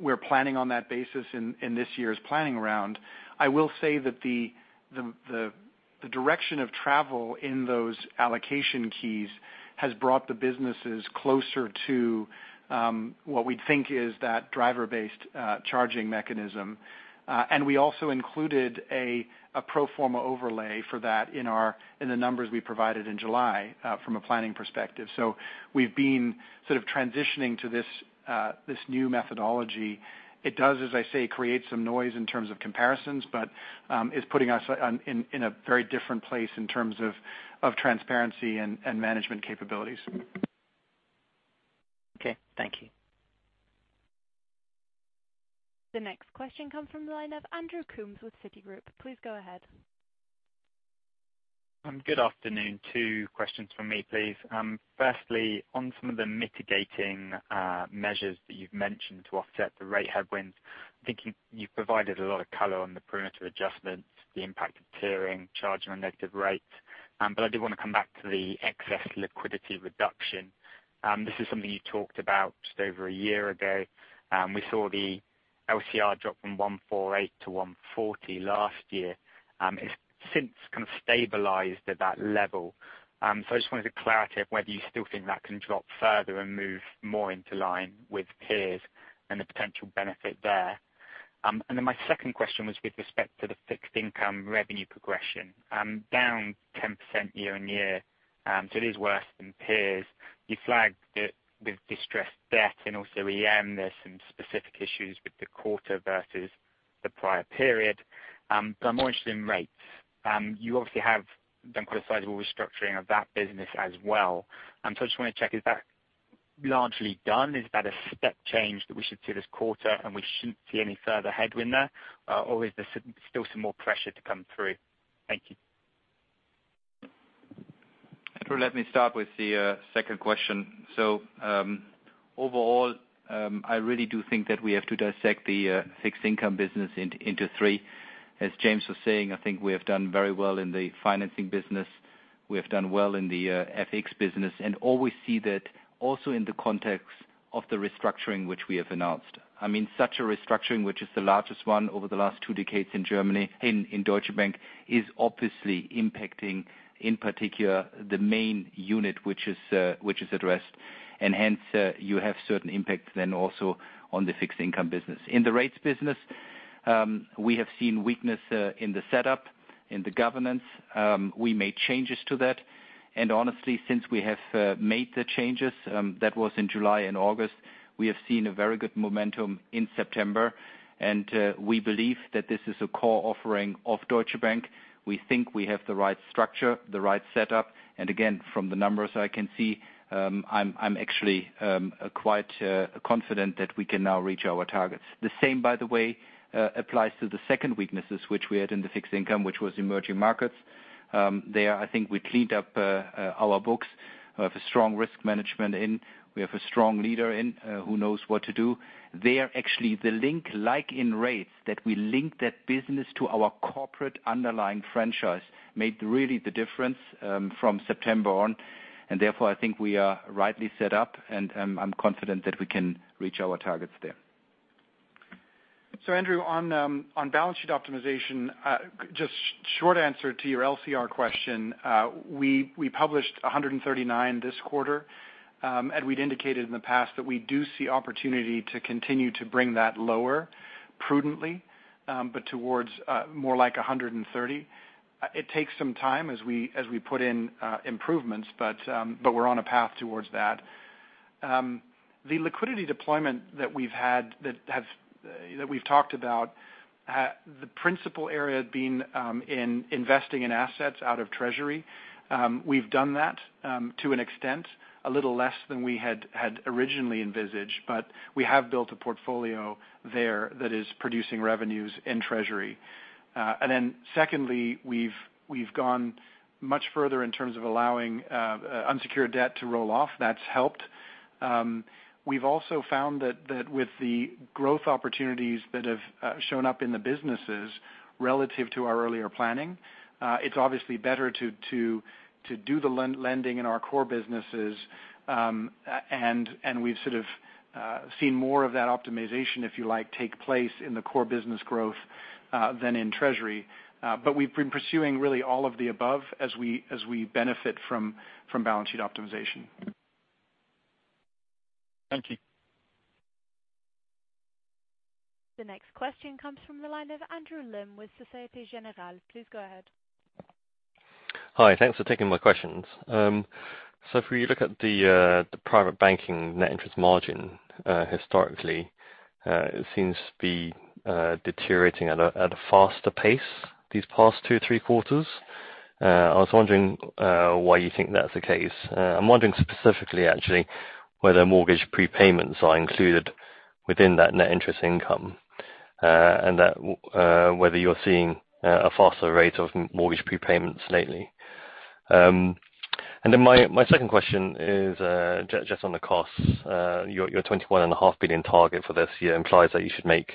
We're planning on that basis in this year's planning round. I will say that the direction of travel in those allocation keys has brought the businesses closer to what we think is that driver-based charging mechanism. We also included a pro forma overlay for that in the numbers we provided in July from a planning perspective. We've been sort of transitioning to this new methodology. It does, as I say, create some noise in terms of comparisons, but is putting us in a very different place in terms of transparency and management capabilities. Okay. Thank you. The next question comes from the line of Andrew Coombs with Citigroup. Please go ahead. Good afternoon. Two questions from me, please. Firstly, on some of the mitigating measures that you've mentioned to offset the rate headwinds, I'm thinking you've provided a lot of color on the perimeter adjustments, the impact of tiering, charging on negative rates. I did want to come back to the excess liquidity reduction. This is something you talked about just over a year ago. We saw the LCR drop from 148 to 140 last year. It's since kind of stabilized at that level. I just wanted to clarify whether you still think that can drop further and move more into line with peers and the potential benefit there. My second question was with respect to the fixed income revenue progression, down 10% year-over-year. It is worse than peers. You flagged it with distressed debt and also EM. There's some specific issues with the quarter versus the prior period. I'm more interested in rates. You obviously have done quite a sizable restructuring of that business as well. I just want to check, is that largely done? Is that a step change that we should see this quarter and we shouldn't see any further headwind there? Is there still some more pressure to come through? Thank you. Andrew, let me start with the second question. Overall, I really do think that we have to dissect the fixed income business into three. As James was saying, I think we have done very well in the financing business. We have done well in the FX business and always see that also in the context of the restructuring which we have announced. I mean, such a restructuring, which is the largest one over the last two decades in Germany in Deutsche Bank, is obviously impacting, in particular, the main unit which is addressed. Hence, you have certain impacts then also on the fixed income business. In the rates business, we have seen weakness in the setup, in the governance. We made changes to that. Honestly, since we have made the changes, that was in July and August, we have seen a very good momentum in September, and we believe that this is a core offering of Deutsche Bank. We think we have the right structure, the right setup. Again, from the numbers I can see, I'm actually quite confident that we can now reach our targets. The same, by the way, applies to the second weaknesses which we had in the Fixed Income, which was emerging markets. There, I think we cleaned up our books. We have a strong risk management in, we have a strong leader in who knows what to do. There, actually the link, like in rates, that we link that business to our corporate underlying franchise made really the difference from September on, and therefore I think we are rightly set up and I'm confident that we can reach our targets there. Andrew, on balance sheet optimization, just short answer to your LCR question. We published 139 this quarter, and we'd indicated in the past that we do see opportunity to continue to bring that lower prudently, but towards more like 130. It takes some time as we put in improvements, but we're on a path towards that. The liquidity deployment that we've talked about, the principal area had been in investing in assets out of treasury. We've done that to an extent, a little less than we had originally envisaged, but we have built a portfolio there that is producing revenues in treasury. Secondly, we've gone much further in terms of allowing unsecured debt to roll off. That's helped. We've also found that with the growth opportunities that have shown up in the businesses relative to our earlier planning, it's obviously better to do the lending in our core businesses. We've sort of seen more of that optimization, if you like, take place in the core business growth, than in treasury. We've been pursuing really all of the above as we benefit from balance sheet optimization. Thank you. The next question comes from the line of Andrew Lim with Societe Generale. Please go ahead. Hi. Thanks for taking my questions. If we look at the private banking net interest margin, historically, it seems to be deteriorating at a faster pace these past two, three quarters. I was wondering why you think that's the case. I'm wondering specifically, actually, whether mortgage prepayments are included within that net interest income, and whether you're seeing a faster rate of mortgage prepayments lately. My second question is just on the costs. Your 21.5 billion target for this year implies that you should make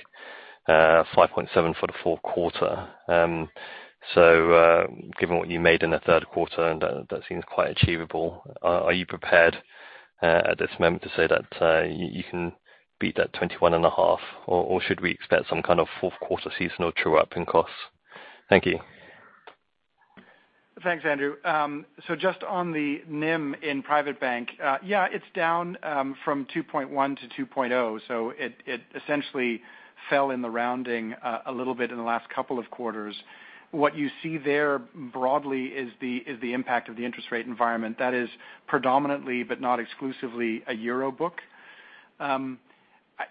5.7 billion for the fourth quarter. Given what you made in the third quarter, that seems quite achievable. Are you prepared at this moment to say that you can beat that 21.5 billion, or should we expect some kind of fourth quarter seasonal true-up in costs? Thank you. Thanks, Andrew. Just on the NIM in Private Bank, yeah, it's down from 2.1 to 2.0. It essentially fell in the rounding a little bit in the last couple of quarters. What you see there broadly is the impact of the interest rate environment. That is predominantly, but not exclusively, a EUR book. On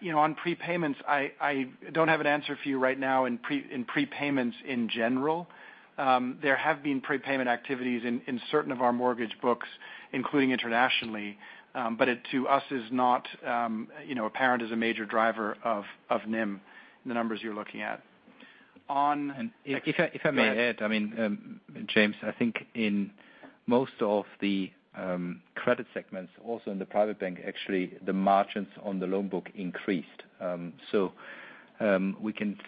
prepayments, I don't have an answer for you right now in prepayments in general. There have been prepayment activities in certain of our mortgage books, including internationally. It, to us, is not apparent as a major driver of NIM in the numbers you're looking at. On- If I may add, James, I think in most of the credit segments, also in the private bank, actually, the margins on the loan book increased. We can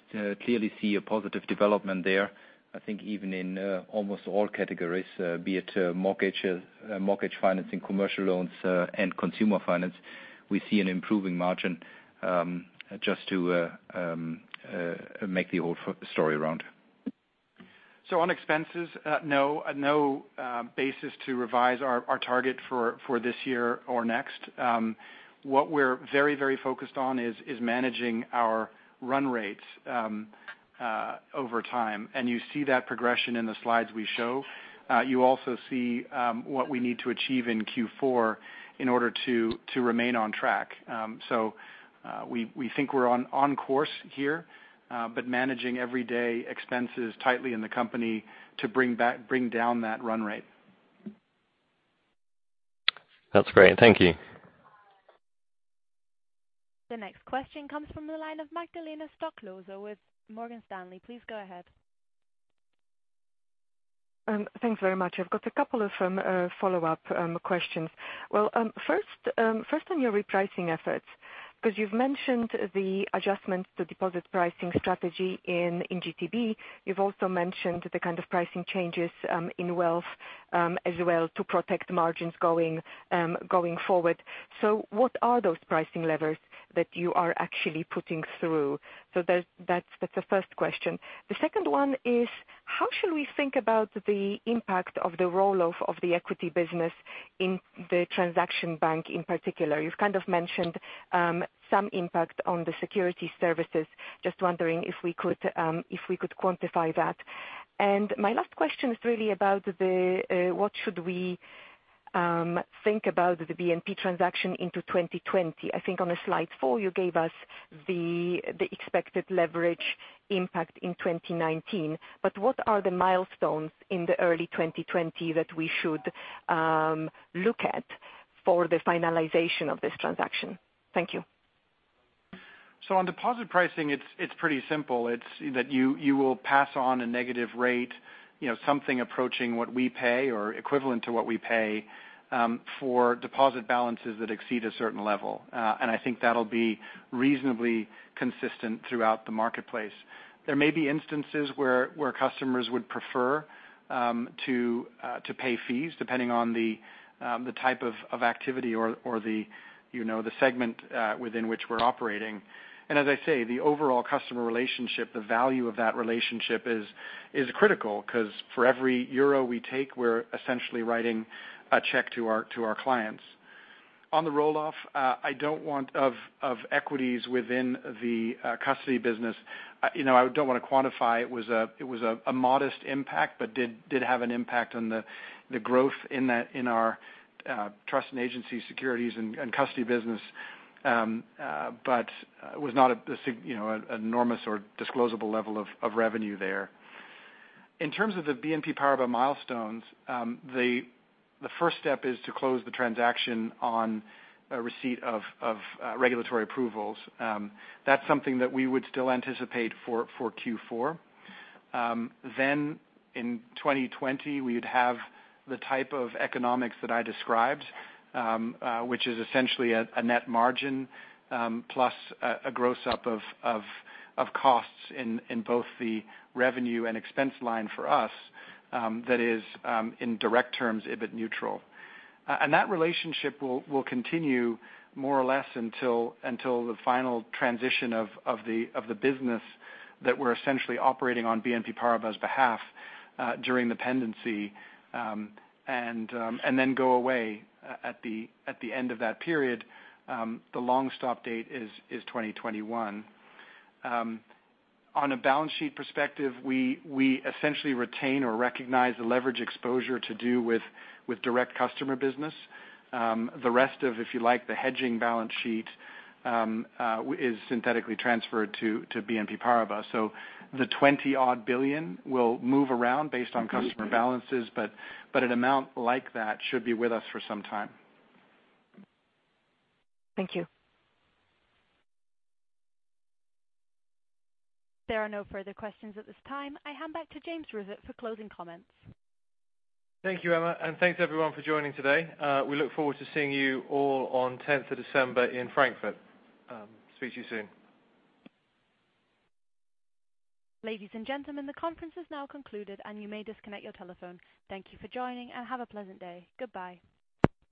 clearly see a positive development there. I think even in almost all categories, be it mortgage financing, commercial loans, and consumer finance, we see an improving margin, just to make the whole story round. On expenses, no basis to revise our target for this year or next. What we're very focused on is managing our run rates over time, and you see that progression in the slides we show. You also see what we need to achieve in Q4 in order to remain on track. We think we're on course here, but managing everyday expenses tightly in the company to bring down that run rate. That's great. Thank you. The next question comes from the line of Magdalena Stoklosa with Morgan Stanley. Please go ahead. Thanks very much. I've got a couple of follow-up questions. First on your repricing efforts, because you've mentioned the adjustments to deposit pricing strategy in GTB. You've also mentioned the kind of pricing changes in wealth as well to protect margins going forward. What are those pricing levers that you are actually putting through? That's the first question. The second one is how should we think about the impact of the roll-off of the equity business in the transaction bank in particular? You've kind of mentioned some impact on the security services. Just wondering if we could quantify that. My last question is really about what should we think about the BNP transaction into 2020? I think on slide four you gave us the expected leverage impact in 2019. What are the milestones in the early 2020 that we should look at for the finalization of this transaction? Thank you. On deposit pricing, it's pretty simple. It's that you will pass on a negative rate, something approaching what we pay or equivalent to what we pay for deposit balances that exceed a certain level. I think that'll be reasonably consistent throughout the marketplace. There may be instances where customers would prefer to pay fees depending on the type of activity or the segment within which we're operating. As I say, the overall customer relationship, the value of that relationship is critical because for every euro we take, we're essentially writing a check to our clients. On the roll-off of equities within the custody business, I don't want to quantify. It was a modest impact, but did have an impact on the growth in our trust and agency securities and custody business, but was not an enormous or disclosable level of revenue there. In terms of the BNP Paribas milestones, the first step is to close the transaction on receipt of regulatory approvals. That's something that we would still anticipate for Q4. In 2020, we would have the type of economics that I described, which is essentially a net margin plus a gross-up of costs in both the revenue and expense line for us that is, in direct terms, EBIT neutral. That relationship will continue more or less until the final transition of the business that we're essentially operating on BNP Paribas' behalf during the pendency, and then go away at the end of that period. The long stop date is 2021. On a balance sheet perspective, we essentially retain or recognize the leverage exposure to do with direct customer business. The rest of, if you like, the hedging balance sheet is synthetically transferred to BNP Paribas. The 20-odd billion will move around based on customer balances, but an amount like that should be with us for some time. Thank you. There are no further questions at this time. I hand back to James Rivett for closing comments. Thank you, Emma, and thanks everyone for joining today. We look forward to seeing you all on the 10th of December in Frankfurt. Speak to you soon. Ladies and gentlemen, the conference has now concluded and you may disconnect your telephone. Thank you for joining and have a pleasant day. Goodbye.